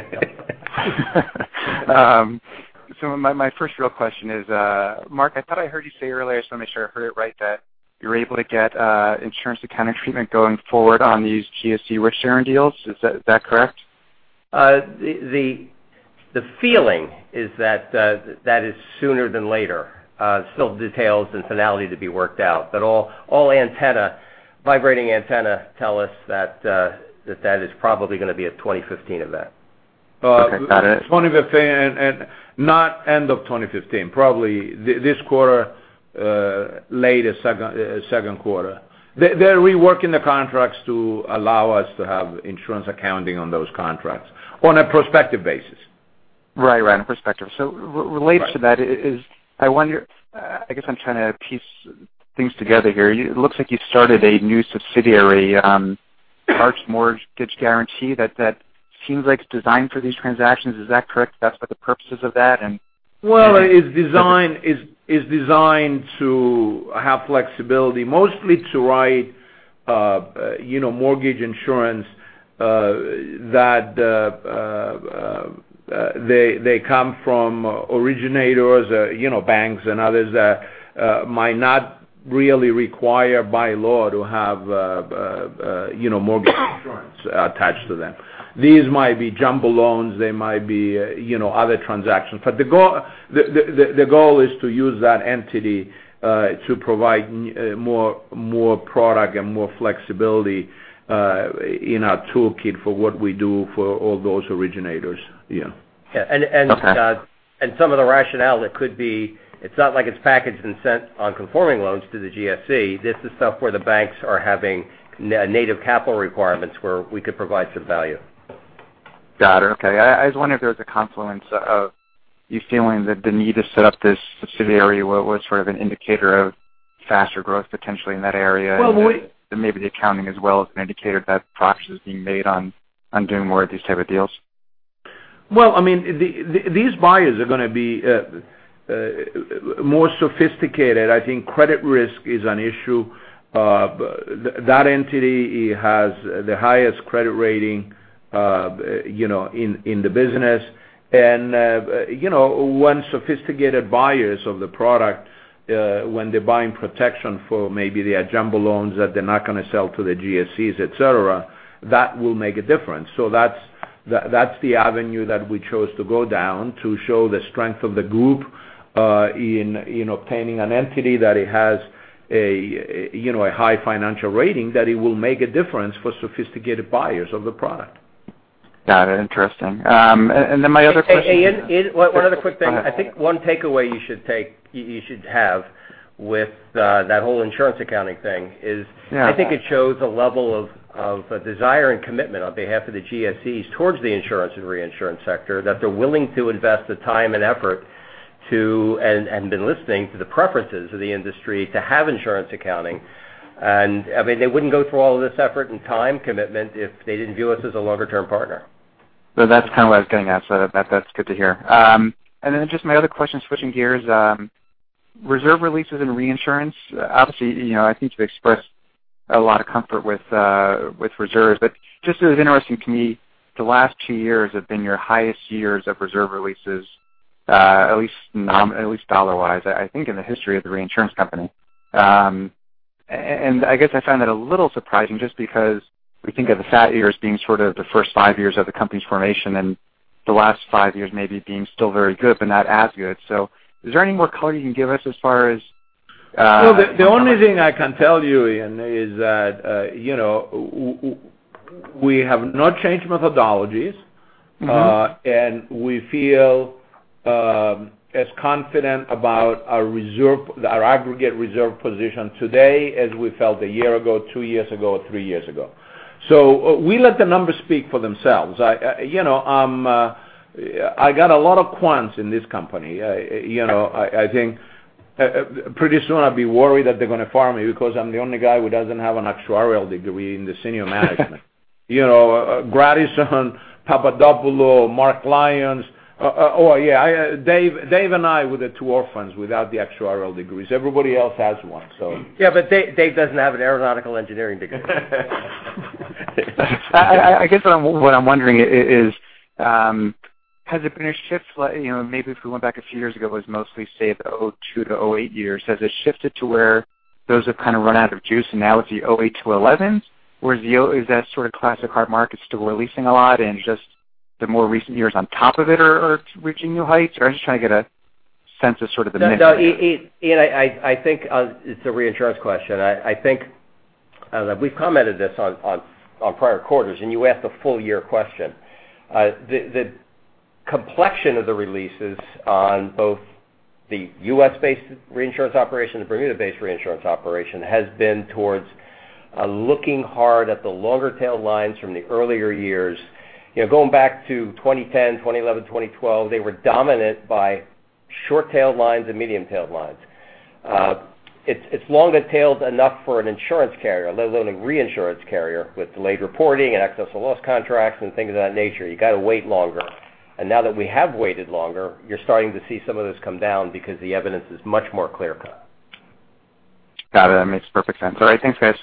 My first real question is, Mark, I thought I heard you say earlier, so I want to make sure I heard it right, that you're able to get insurance accounting treatment going forward on these GSE risk-sharing deals. Is that correct? The feeling is that is sooner than later. Still details and finality to be worked out, but all antennae, vibrating antennae tell us that is probably going to be a 2015 event. 2015 and not end of 2015, probably this quarter, late second quarter. They're reworking the contracts to allow us to have insurance accounting on those contracts on a prospective basis. Right. On a prospective. Related to that is, I wonder, I guess I'm trying to piece things together here. It looks like you started a new subsidiary, Arch Mortgage Guaranty, that seems like it's designed for these transactions. Is that correct? That's what the purpose is of that? Well, it's designed to have flexibility mostly to write mortgage insurance that they come from originators, banks and others that might not really require by law to have mortgage insurance attached to them. These might be jumbo loans, they might be other transactions. The goal is to use that entity, to provide more product and more flexibility in our toolkit for what we do for all those originators. Yeah. Okay. Some of the rationale it could be, it's not like it's packaged and sent on conforming loans to the GSE. This is stuff where the banks are having native capital requirements where we could provide some value. Got it. Okay. I was wondering if there was a confluence of you feeling that the need to set up this subsidiary was sort of an indicator of faster growth potentially in that area. Well. Maybe the accounting as well is an indicator that progress is being made on doing more of these type of deals. Well, these buyers are going to be more sophisticated. I think credit risk is an issue. That entity has the highest credit rating in the business. When sophisticated buyers of the product, when they're buying protection for maybe their jumbo loans that they're not going to sell to the GSEs, et cetera, that will make a difference. That's the avenue that we chose to go down to show the strength of the group, in obtaining an entity that it has a high financial rating, that it will make a difference for sophisticated buyers of the product. Got it. Interesting. My other question is? Hey, Ian, one other quick thing. I think one takeaway you should have with that whole insurance accounting thing is. Yeah I think it shows a level of desire and commitment on behalf of the GSEs towards the insurance and reinsurance sector, that they're willing to invest the time and effort to, and been listening to the preferences of the industry to have insurance accounting. They wouldn't go through all of this effort and time commitment if they didn't view us as a longer-term partner. That's kind of what I was getting at, so that's good to hear. My other question, switching gears, reserve releases and reinsurance. Obviously, I think you've expressed a lot of comfort with reserves, but just it was interesting to me, the last two years have been your highest years of reserve releases, at least dollar-wise, I think in the history of the reinsurance company. I guess I find that a little surprising just because we think of the fat years being sort of the first five years of the company's formation and the last five years maybe being still very good, but not as good. Is there any more color you can give us as far as? The only thing I can tell you, Ian, is that we have not changed methodologies. We feel as confident about our aggregate reserve position today as we felt a year ago, two years ago, or three years ago. We let the numbers speak for themselves. I got a lot of quants in this company. I think pretty soon I'd be worried that they're going to fire me because I'm the only guy who doesn't have an actuarial degree in the senior management. Marc Grandisson, Nicolas Papadopoulo, Mark Lyons. Dave and I were the two orphans without the actuarial degrees. Everybody else has one. Yeah, Dave doesn't have an aeronautical engineering degree. I guess what I'm wondering is, has it been a shift, maybe if we went back a few years ago, it was mostly, say, the 2002-2008 years. Has it shifted to where those have kind of run out of juice and now it's the 2008-2011, or is that sort of classic hard market still releasing a lot and just the more recent years on top of it are reaching new heights, or I'm just trying to get a sense of sort of the mix. No, Ian, I think it's a reinsurance question. I think we've commented this on prior quarters, and you asked a full year question. The complexion of the releases on both the U.S.-based reinsurance operation, the Bermuda-based reinsurance operation, has been towards looking hard at the longer tail lines from the earlier years. Going back to 2010, 2011, 2012, they were dominant by short-tailed lines and medium-tailed lines. It's longer-tailed enough for an insurance carrier, let alone a reinsurance carrier, with delayed reporting and excess of loss contracts and things of that nature. You got to wait longer. Now that we have waited longer, you're starting to see some of this come down because the evidence is much more clear cut. Got it. That makes perfect sense. All right. Thanks, guys.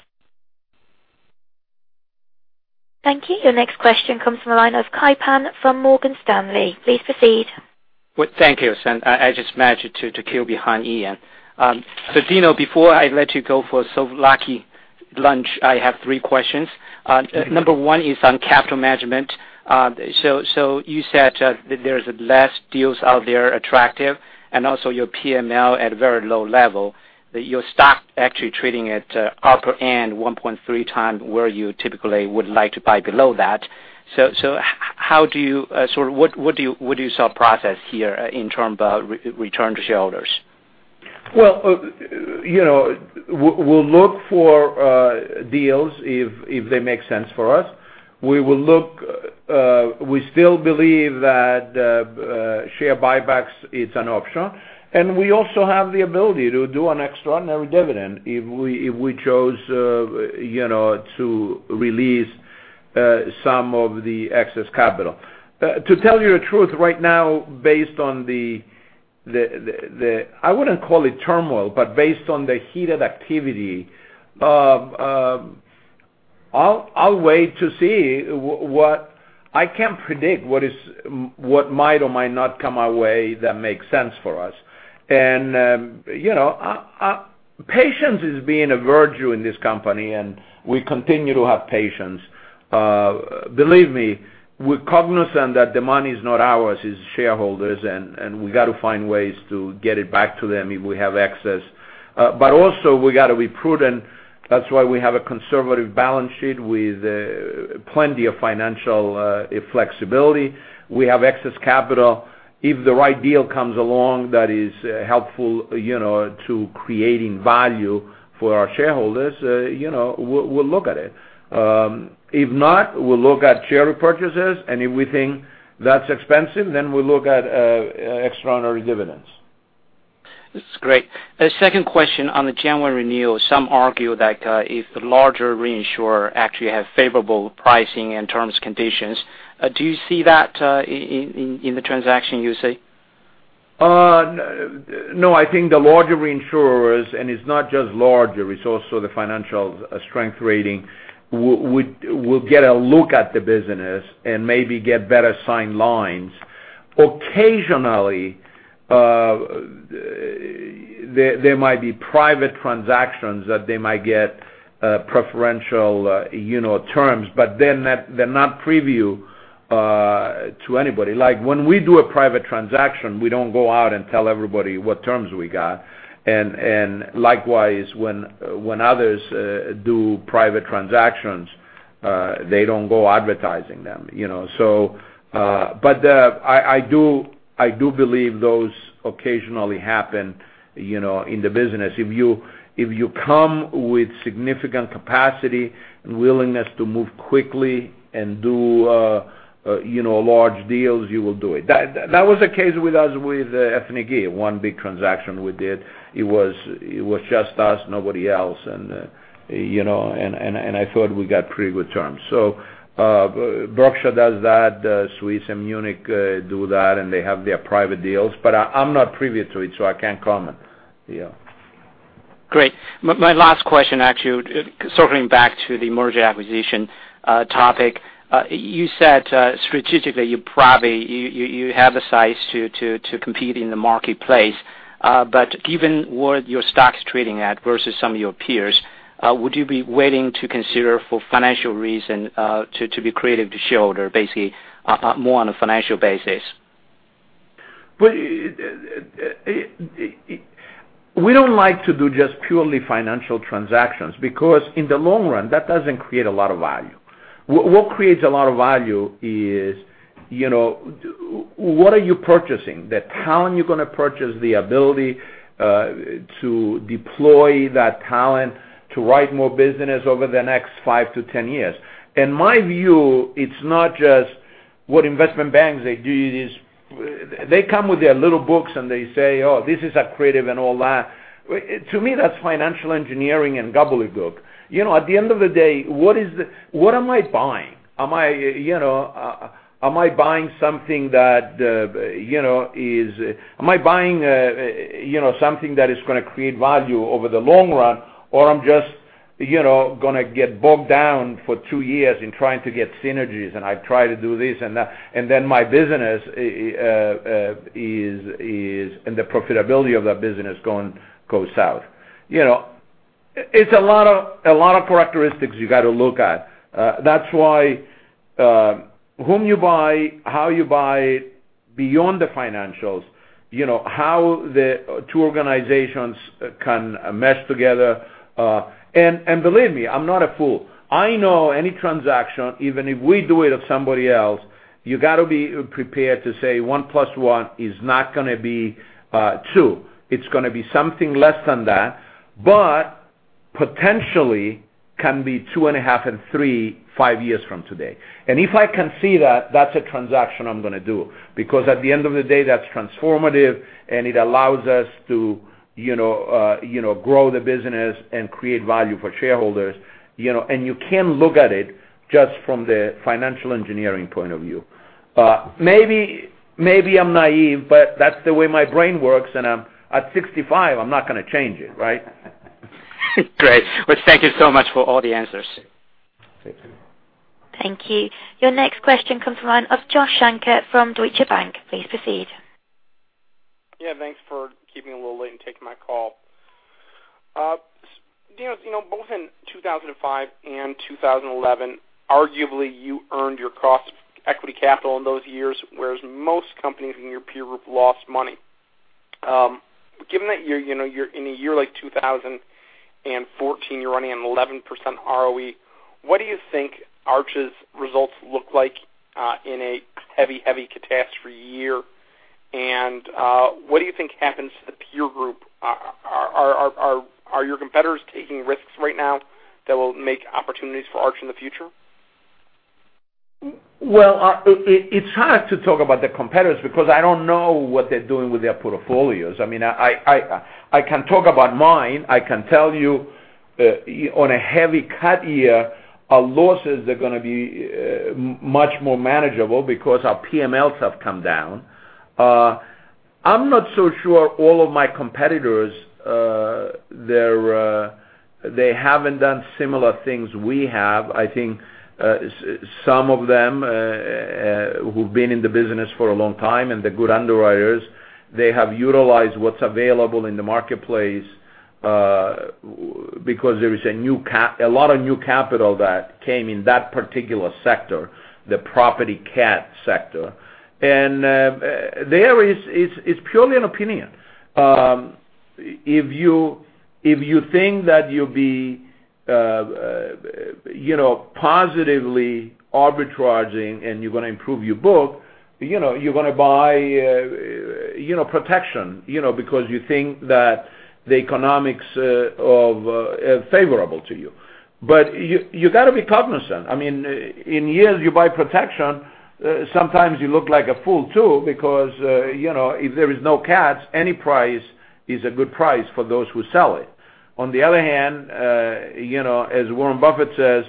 Thank you. Your next question comes from the line of Kai Pan from Morgan Stanley. Please proceed. Well, thank you, Sam. I just managed to queue behind Ian. Dinos, before I let you go for so lucky lunch, I have three questions. Number one is on capital management. You said that there's less deals out there attractive, and also your PML at a very low level, that your stock actually trading at upper end 1.3x where you typically would like to buy below that. What do you sort of process here in terms of return to shareholders? Well, we'll look for deals if they make sense for us. We still believe that share buybacks is an option, and we also have the ability to do an extraordinary dividend if we chose to release some of the excess capital. To tell you the truth, right now based on the, I wouldn't call it turmoil, but based on the heated activity, I'll wait to see. I can't predict what might or might not come our way that makes sense for us. Patience is being a virtue in this company, and we continue to have patience. Believe me, we're cognizant that the money is not ours, it's shareholders, and we got to find ways to get it back to them if we have excess. Also we got to be prudent. That's why we have a conservative balance sheet with plenty of financial flexibility. We have excess capital. If the right deal comes along that is helpful to creating value for our shareholders, we'll look at it. If not, we'll look at share repurchases, and if we think that's expensive, then we'll look at extraordinary dividends. This is great. The second question on the January renewal, some argue that if the larger reinsurer actually have favorable pricing and terms, conditions, do you see that in the transaction you see? No, I think the larger reinsurers, it's not just larger, it's also the financial strength rating, will get a look at the business and maybe get better signed lines. Occasionally, there might be private transactions that they might get preferential terms, but they're not preview to anybody. Like when we do a private transaction, we don't go out and tell everybody what terms we got. Likewise, when others do private transactions, they don't go advertising them. I do believe those occasionally happen in the business. If you come with significant capacity and willingness to move quickly and do large deals, you will do it. That was the case with us with IFG, one big transaction we did. It was just us, nobody else, and I thought we got pretty good terms. Berkshire does that, Swiss and Munich do that, and they have their private deals. I'm not privy to it, so I can't comment. Yeah. Great. My last question, actually, circling back to the merger acquisition topic. You said, strategically, you have the size to compete in the marketplace. Given where your stock's trading at versus some of your peers, would you be willing to consider for financial reason to be creative to shareholder, basically more on a financial basis? We don't like to do just purely financial transactions, because in the long run, that doesn't create a lot of value. What creates a lot of value is, what are you purchasing? The talent you're going to purchase, the ability to deploy that talent to write more business over the next seven to 10 years. In my view, it's not just what investment banks, they do this. They come with their little books, and they say, "Oh, this is accretive and all that." To me, that's financial engineering and gobbledygook. At the end of the day, what am I buying? Am I buying something that is going to create value over the long run, or I'm just going to get bogged down for two years in trying to get synergies and I try to do this and that, and then my business and the profitability of that business goes south. It's a lot of characteristics you got to look at. That's why whom you buy, how you buy, beyond the financials, how the two organizations can mesh together. Believe me, I'm not a fool. I know any transaction, even if we do it or somebody else, you got to be prepared to say one plus one is not going to be two. It's going to be something less than that, potentially can be two and a half and three, five years from today. If I can see that's a transaction I'm going to do, because at the end of the day, that's transformative and it allows us to grow the business and create value for shareholders. You can look at it just from the financial engineering point of view. Maybe I'm naive, but that's the way my brain works, and at 65, I'm not going to change it, right? Great. Well, thank you so much for all the answers. Thank you. Thank you. Your next question comes from the line of Josh Shanker from Deutsche Bank. Please proceed. Yeah. Thanks for keeping me a little late and taking my call. Dinos, both in 2005 and 2011, arguably you earned your cost equity capital in those years, whereas most companies in your peer group lost money. Given that in a year like 2014, you're running an 11% ROE, what do you think Arch's results look like in a heavy catastrophe year? What do you think happens to the peer group? Are your competitors taking risks right now that will make opportunities for Arch in the future? Well, it's hard to talk about the competitors because I don't know what they're doing with their portfolios. I can talk about mine. I can tell you, on a heavy cat year, our losses are going to be much more manageable because our PMLs have come down. I'm not so sure all of my competitors, they haven't done similar things we have. I think some of them who've been in the business for a long time and they're good underwriters, they have utilized what's available in the marketplace because there is a lot of new capital that came in that particular sector, the property cat sector. There it's purely an opinion. If you think that you'll be positively arbitraging and you're going to improve your book, you're going to buy protection because you think that the economics are favorable to you. You got to be cognizant. In years you buy protection, sometimes you look like a fool too because if there is no cats, any price is a good price for those who sell it. On the other hand, as Warren Buffett says,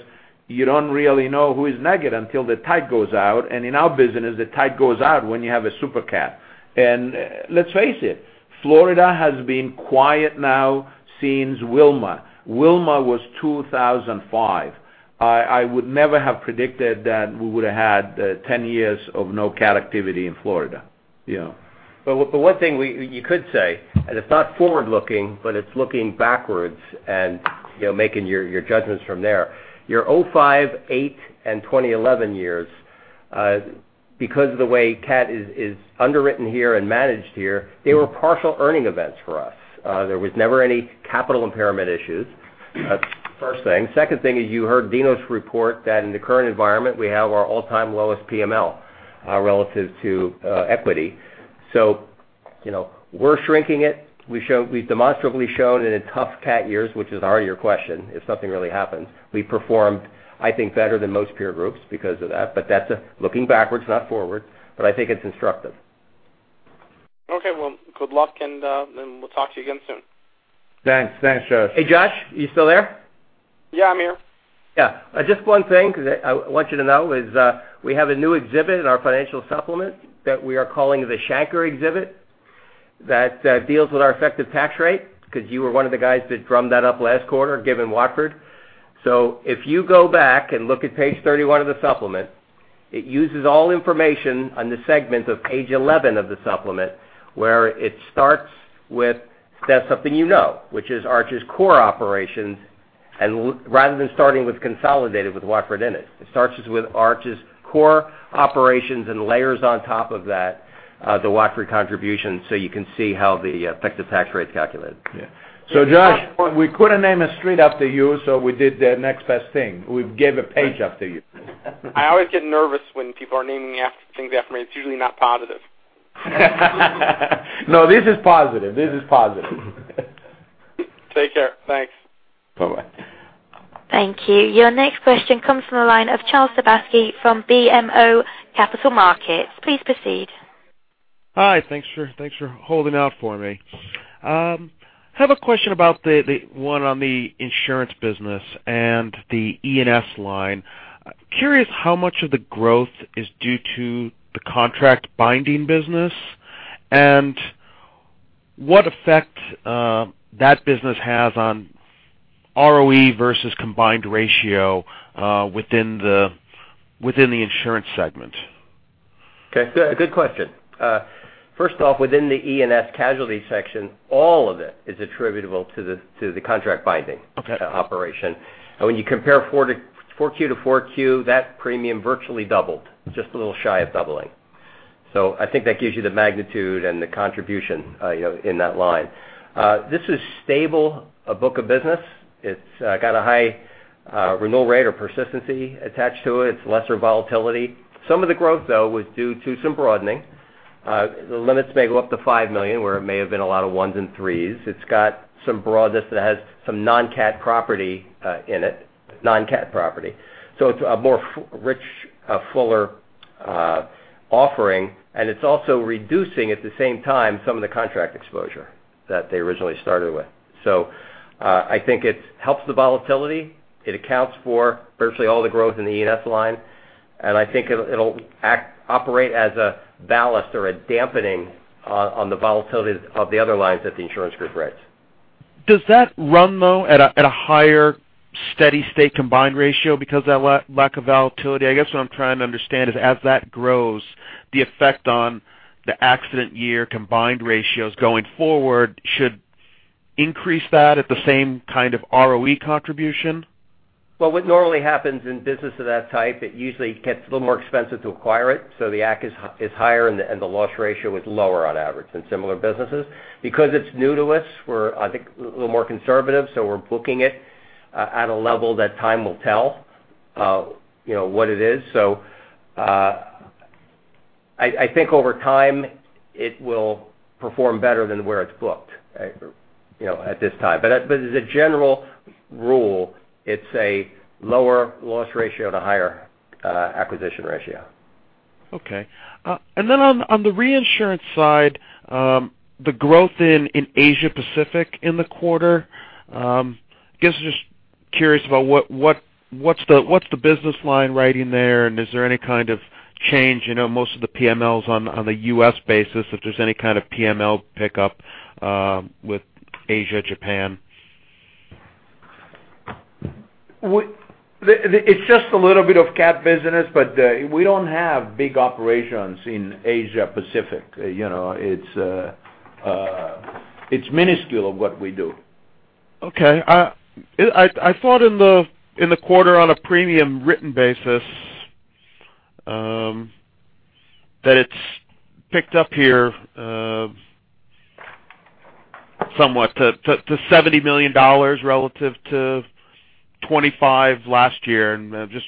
you don't really know who is naked until the tide goes out. In our business, the tide goes out when you have a super cat. Let's face it, Florida has been quiet now since Wilma. Wilma was 2005. I would never have predicted that we would have had 10 years of no cat activity in Florida. One thing you could say, and it's not forward-looking, but it's looking backwards and making your judgments from there. Your 2005, 2008, and 2011 years, because of the way cat is underwritten here and managed here, they were partial earning events for us. There was never any capital impairment issues. First thing. Second thing is you heard Dinos report that in the current environment, we have our all-time lowest PML relative to equity. We're shrinking it. We've demonstrably shown in tough cat years, which is our year question, if something really happens. We performed, I think, better than most peer groups because of that. That's looking backwards, not forward. I think it's instructive. Okay. Well, good luck, and we'll talk to you again soon. Thanks, Josh. Hey, Josh, you still there? Yeah, I'm here. Yeah. Just one thing because I want you to know is we have a new exhibit in our financial supplement that we are calling the Shanker exhibit that deals with our effective tax rate because you were one of the guys that drummed that up last quarter given Watford Re. If you go back and look at page 31 of the supplement, it uses all information on the segment of page 11 of the supplement, where it starts with, that's something you know, which is Arch's core operations. Rather than starting with consolidated with Watford Re in it starts with Arch's core operations and layers on top of that the Watford Re contribution so you can see how the effective tax rate is calculated. Josh, we couldn't name a street after you, so we did the next best thing. We gave a page after you. I always get nervous when people are naming things after me. It's usually not positive. No, this is positive. Take care. Thanks. Bye-bye. Thank you. Your next question comes from the line of Charles Sebaski from BMO Capital Markets. Please proceed. Hi, thanks for holding out for me. I have a question about the one on the insurance business and the E&S line. Curious how much of the growth is due to the contract binding business and what effect that business has on ROE versus combined ratio within the insurance segment. Okay. Good question. First off, within the E&S casualty section, all of it is attributable to the contract binding operation. Okay. When you compare Q4-Q4, that premium virtually doubled, just a little shy of doubling. I think that gives you the magnitude and the contribution in that line. This is stable, a book of business. It's got a high renewal rate or persistency attached to it. It's lesser volatility. Some of the growth, though, was due to some broadening. The limits may go up to $5 million, where it may have been a lot of ones and threes. It's got some broadness that has some non-cat property in it. It's a more rich, fuller offering, and it's also reducing, at the same time, some of the contract exposure that they originally started with. I think it helps the volatility. It accounts for virtually all the growth in the E&S line. I think it'll operate as a ballast or a dampening on the volatility of the other lines that the insurance group writes. Does that run though at a higher steady state combined ratio because of that lack of volatility? I guess what I'm trying to understand is as that grows, the effect on the accident year combined ratios going forward should increase that at the same kind of ROE contribution? What normally happens in business of that type, it usually gets a little more expensive to acquire it, the AC is higher and the loss ratio is lower on average than similar businesses. Because it's new to us, we're, I think, a little more conservative, we're booking it at a level that time will tell what it is. I think over time it will perform better than where it's booked at this time. As a general rule, it's a lower loss ratio and a higher acquisition ratio. Okay. On the reinsurance side, the growth in Asia Pacific in the quarter, I guess, just curious about what is the business line writing there, and is there any kind of change, most of the PMLs on the U.S. basis, if there is any kind of PML pickup with Asia, Japan? It is just a little bit of cat business, but we do not have big operations in Asia Pacific. It is minuscule of what we do. Okay. I thought in the quarter on a premium written basis, that it has picked up here somewhat to $70 million relative to 25 last year and just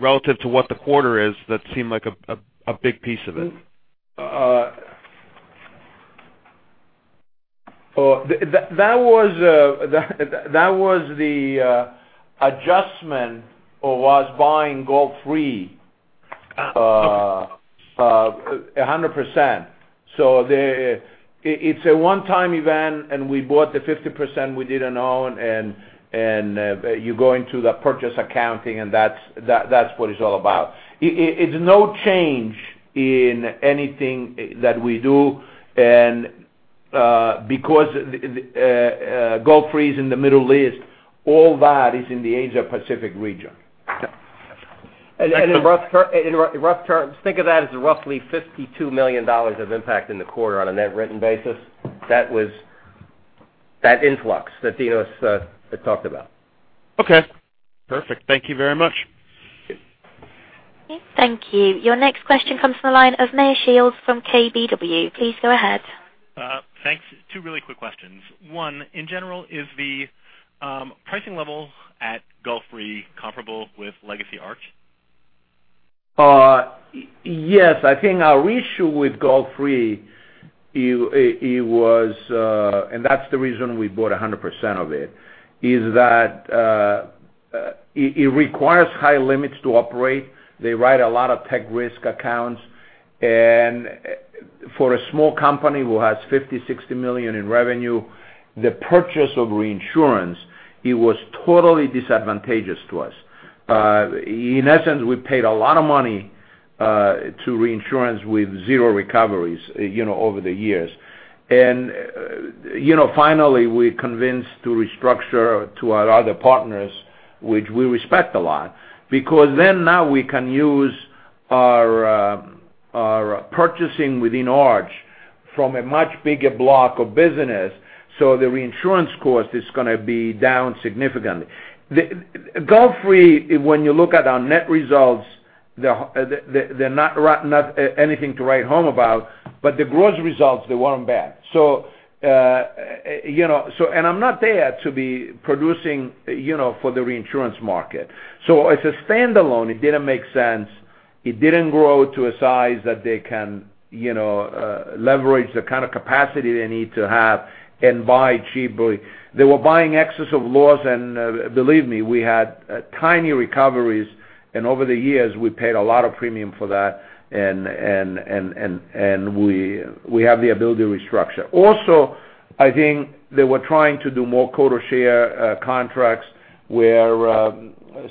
relative to what the quarter is, that seemed like a big piece of it. That was the adjustment was buying Gulf Re 100%. It is a one-time event, and we bought the 50% we did not own, and you go into the purchase accounting, and that is what it is all about. It is no change in anything that we do, and because Gulf Re is in the Middle East, all that is in the Asia Pacific region. In rough terms, think of that as roughly $52 million of impact in the quarter on a net written basis. That was that influx that Dinos talked about. Okay, perfect. Thank you very much. Thank you. Your next question comes from the line of Meyer Shields from KBW. Please go ahead. Thanks. Two really quick questions. One, in general, is the pricing level at Gulf Re comparable with legacy Arch? Yes, I think our issue with Gulf Re, and that's the reason we bought 100% of it, is that it requires high limits to operate. They write a lot of tech risk accounts. For a small company who has $50, $60 million in revenue, the purchase of reinsurance, it was totally disadvantageous to us. In essence, we paid a lot of money to reinsurance with zero recoveries over the years. Finally, we're convinced to restructure to our other partners, which we respect a lot, because then now we can use our purchasing within Arch from a much bigger block of business, so the reinsurance cost is going to be down significantly. Gulf Re, when you look at our net results, they're not anything to write home about, but the gross results, they weren't bad. I'm not there to be producing for the reinsurance market. As a standalone, it didn't make sense. It didn't grow to a size that they can leverage the kind of capacity they need to have and buy cheaply. They were buying excess of loss, believe me, we had tiny recoveries, over the years, we paid a lot of premium for that, we have the ability to restructure. Also, I think they were trying to do more quota share contracts where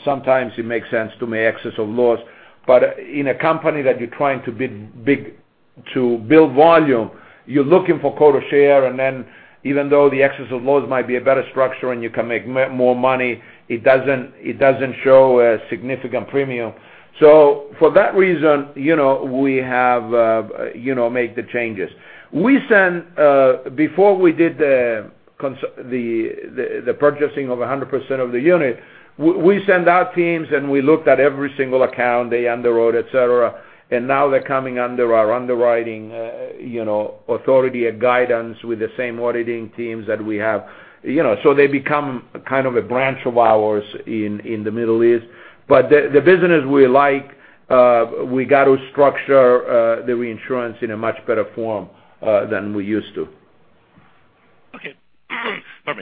sometimes it makes sense to make excess of loss. In a company that you're trying to build volume, you're looking for quota share, even though the excess of loss might be a better structure and you can make more money, it doesn't show a significant premium. For that reason, we have made the changes. Before we did the purchasing of 100% of the unit, we sent out teams, we looked at every single account they underwrote, et cetera, now they're coming under our underwriting authority and guidance with the same auditing teams that we have. They become kind of a branch of ours in the Middle East. The business we like, we got to structure the reinsurance in a much better form than we used to. Okay. Perfect.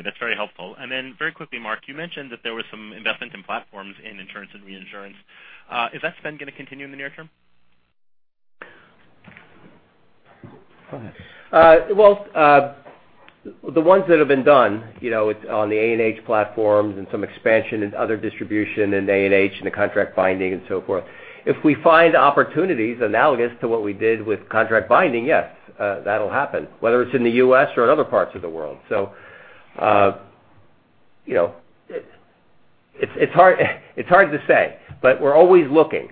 That's very helpful. Very quickly, Mark, you mentioned that there was some investment in platforms in insurance and reinsurance. Is that spend going to continue in the near term? The ones that have been done on the A&H platforms and some expansion in other distribution in A&H and the contract binding and so forth, if we find opportunities analogous to what we did with contract binding, yes, that'll happen, whether it's in the U.S. or in other parts of the world. It's hard to say, but we're always looking,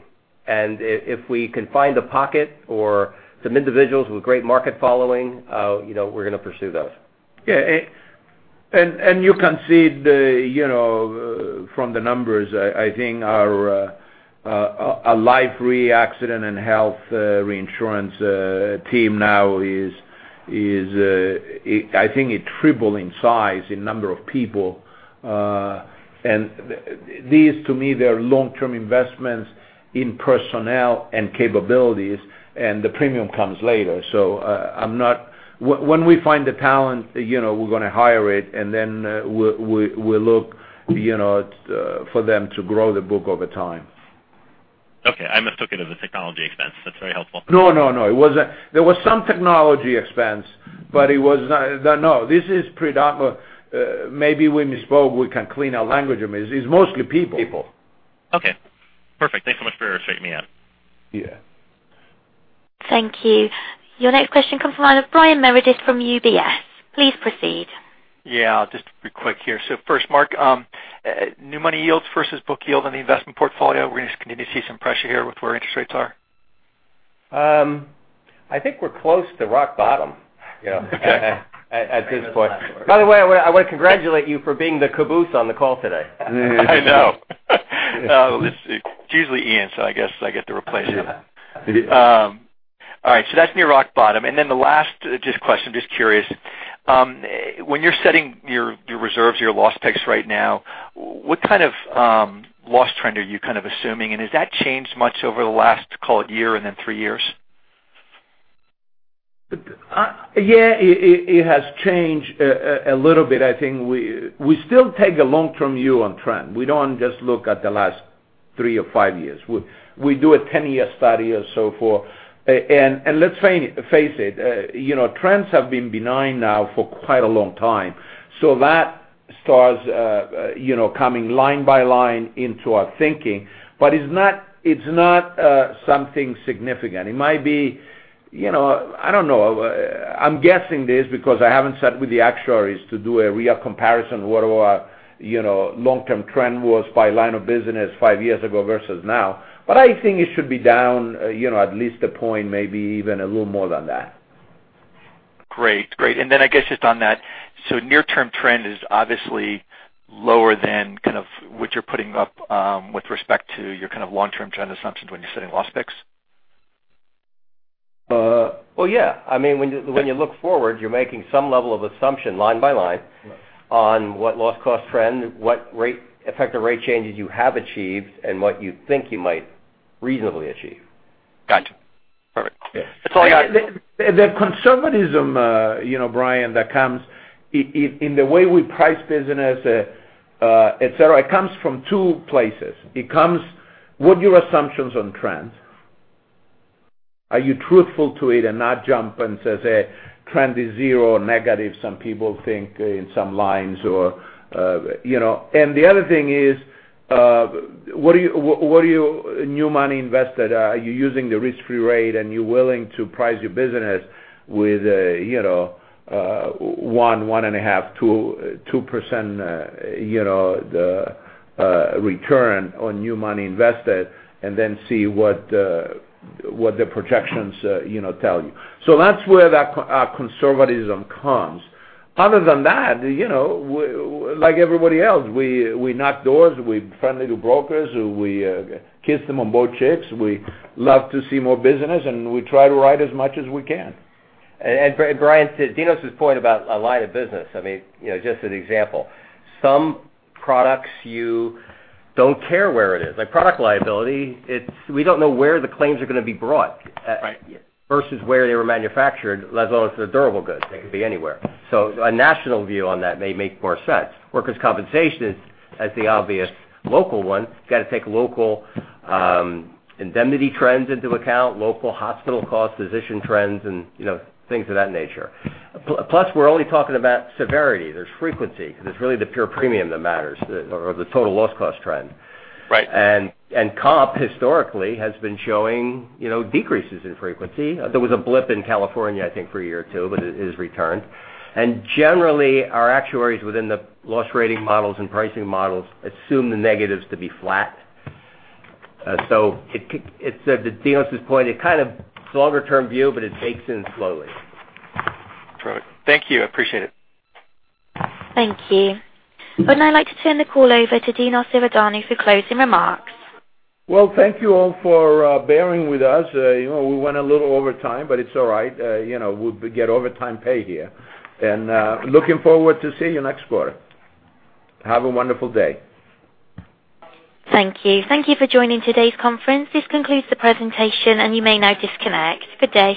and if we can find a pocket or some individuals with great market following, we're going to pursue those. You can see from the numbers, I think our life reaccident and health reinsurance team now is, it tripled in size, in number of people. These to me, they are long-term investments in personnel and capabilities, and the premium comes later. When we find the talent, we're going to hire it, and then we'll look for them to grow the book over time. I mistook it as a technology expense. That's very helpful. No. There was some technology expense, but no. Maybe we misspoke. We can clean our language. I mean, it's mostly people. Okay, perfect. Thanks so much for straight me out. Yeah. Thank you. Your next question comes from line of Brian Meredith from UBS. Please proceed. Yeah, I'll just be quick here. First, Mark, new money yields versus book yield on the investment portfolio. We're going to continue to see some pressure here with where interest rates are? I think we're close to rock bottom at this point. Okay. I want to congratulate you for being the caboose on the call today. I know. It's usually Ian, I guess I get to replace him. All right. That's near rock bottom. The last just question, just curious. When you're setting your reserves, your loss picks right now, what kind of loss trend are you kind of assuming, and has that changed much over the last, call it year and then three years? Yeah, it has changed a little bit. I think we still take a long-term view on trend. We don't just look at the last three or five years. We do a 10-year study or so forth. Let's face it, trends have been benign now for quite a long time. That starts coming line by line into our thinking. It's not something significant. I don't know. I'm guessing this because I haven't sat with the actuaries to do a real comparison what our long-term trend was by line of business five years ago versus now. I think it should be down at least a point, maybe even a little more than that. Great. I guess just on that, near-term trend is obviously lower than kind of what you're putting up with respect to your kind of long-term trend assumptions when you're setting loss picks? Well, yeah. I mean, when you look forward, you're making some level of assumption line by line on what loss cost trend, what effective rate changes you have achieved, and what you think you might reasonably achieve. Gotcha. Perfect. The conservatism Brian, that comes in the way we price business, et cetera, it comes from two places. It comes what your assumptions on trends. Are you truthful to it and not jump and say trend is zero or negative, some people think in some lines. The other thing is, what are your new money invested? Are you using the risk-free rate and you're willing to price your business with one and a half, 2% return on new money invested and then see what the projections tell you. That's where that conservatism comes. Other than that, like everybody else, we knock doors, we're friendly to brokers, we kiss them on both cheeks. We love to see more business, we try to write as much as we can. Brian, to Dinos' point about a line of business, I mean, just an example. Some products you don't care where it is. Like product liability, we don't know where the claims are going to be brought versus where they were manufactured, let alone if they're durable goods. They could be anywhere. A national view on that may make more sense. Workers' compensation is the obvious local one. Got to take local indemnity trends into account, local hospital costs, physician trends, and things of that nature. Plus, we're only talking about severity. There's frequency because it's really the pure premium that matters or the total loss cost trend. Right. Comp historically has been showing decreases in frequency. There was a blip in California, I think, for a year or two, but it has returned. Generally, our actuaries within the loss rating models and pricing models assume the negatives to be flat. To Dinos' point, it's kind of longer-term view, but it bakes in slowly. Perfect. Thank you. I appreciate it. Thank you. Now I'd like to turn the call over to Dinos Iordanou for closing remarks. Thank you all for bearing with us. We went a little over time, but it's all right. We get overtime pay here. Looking forward to seeing you next quarter. Have a wonderful day. Thank you. Thank you for joining today's conference. This concludes the presentation, and you may now disconnect. Good day.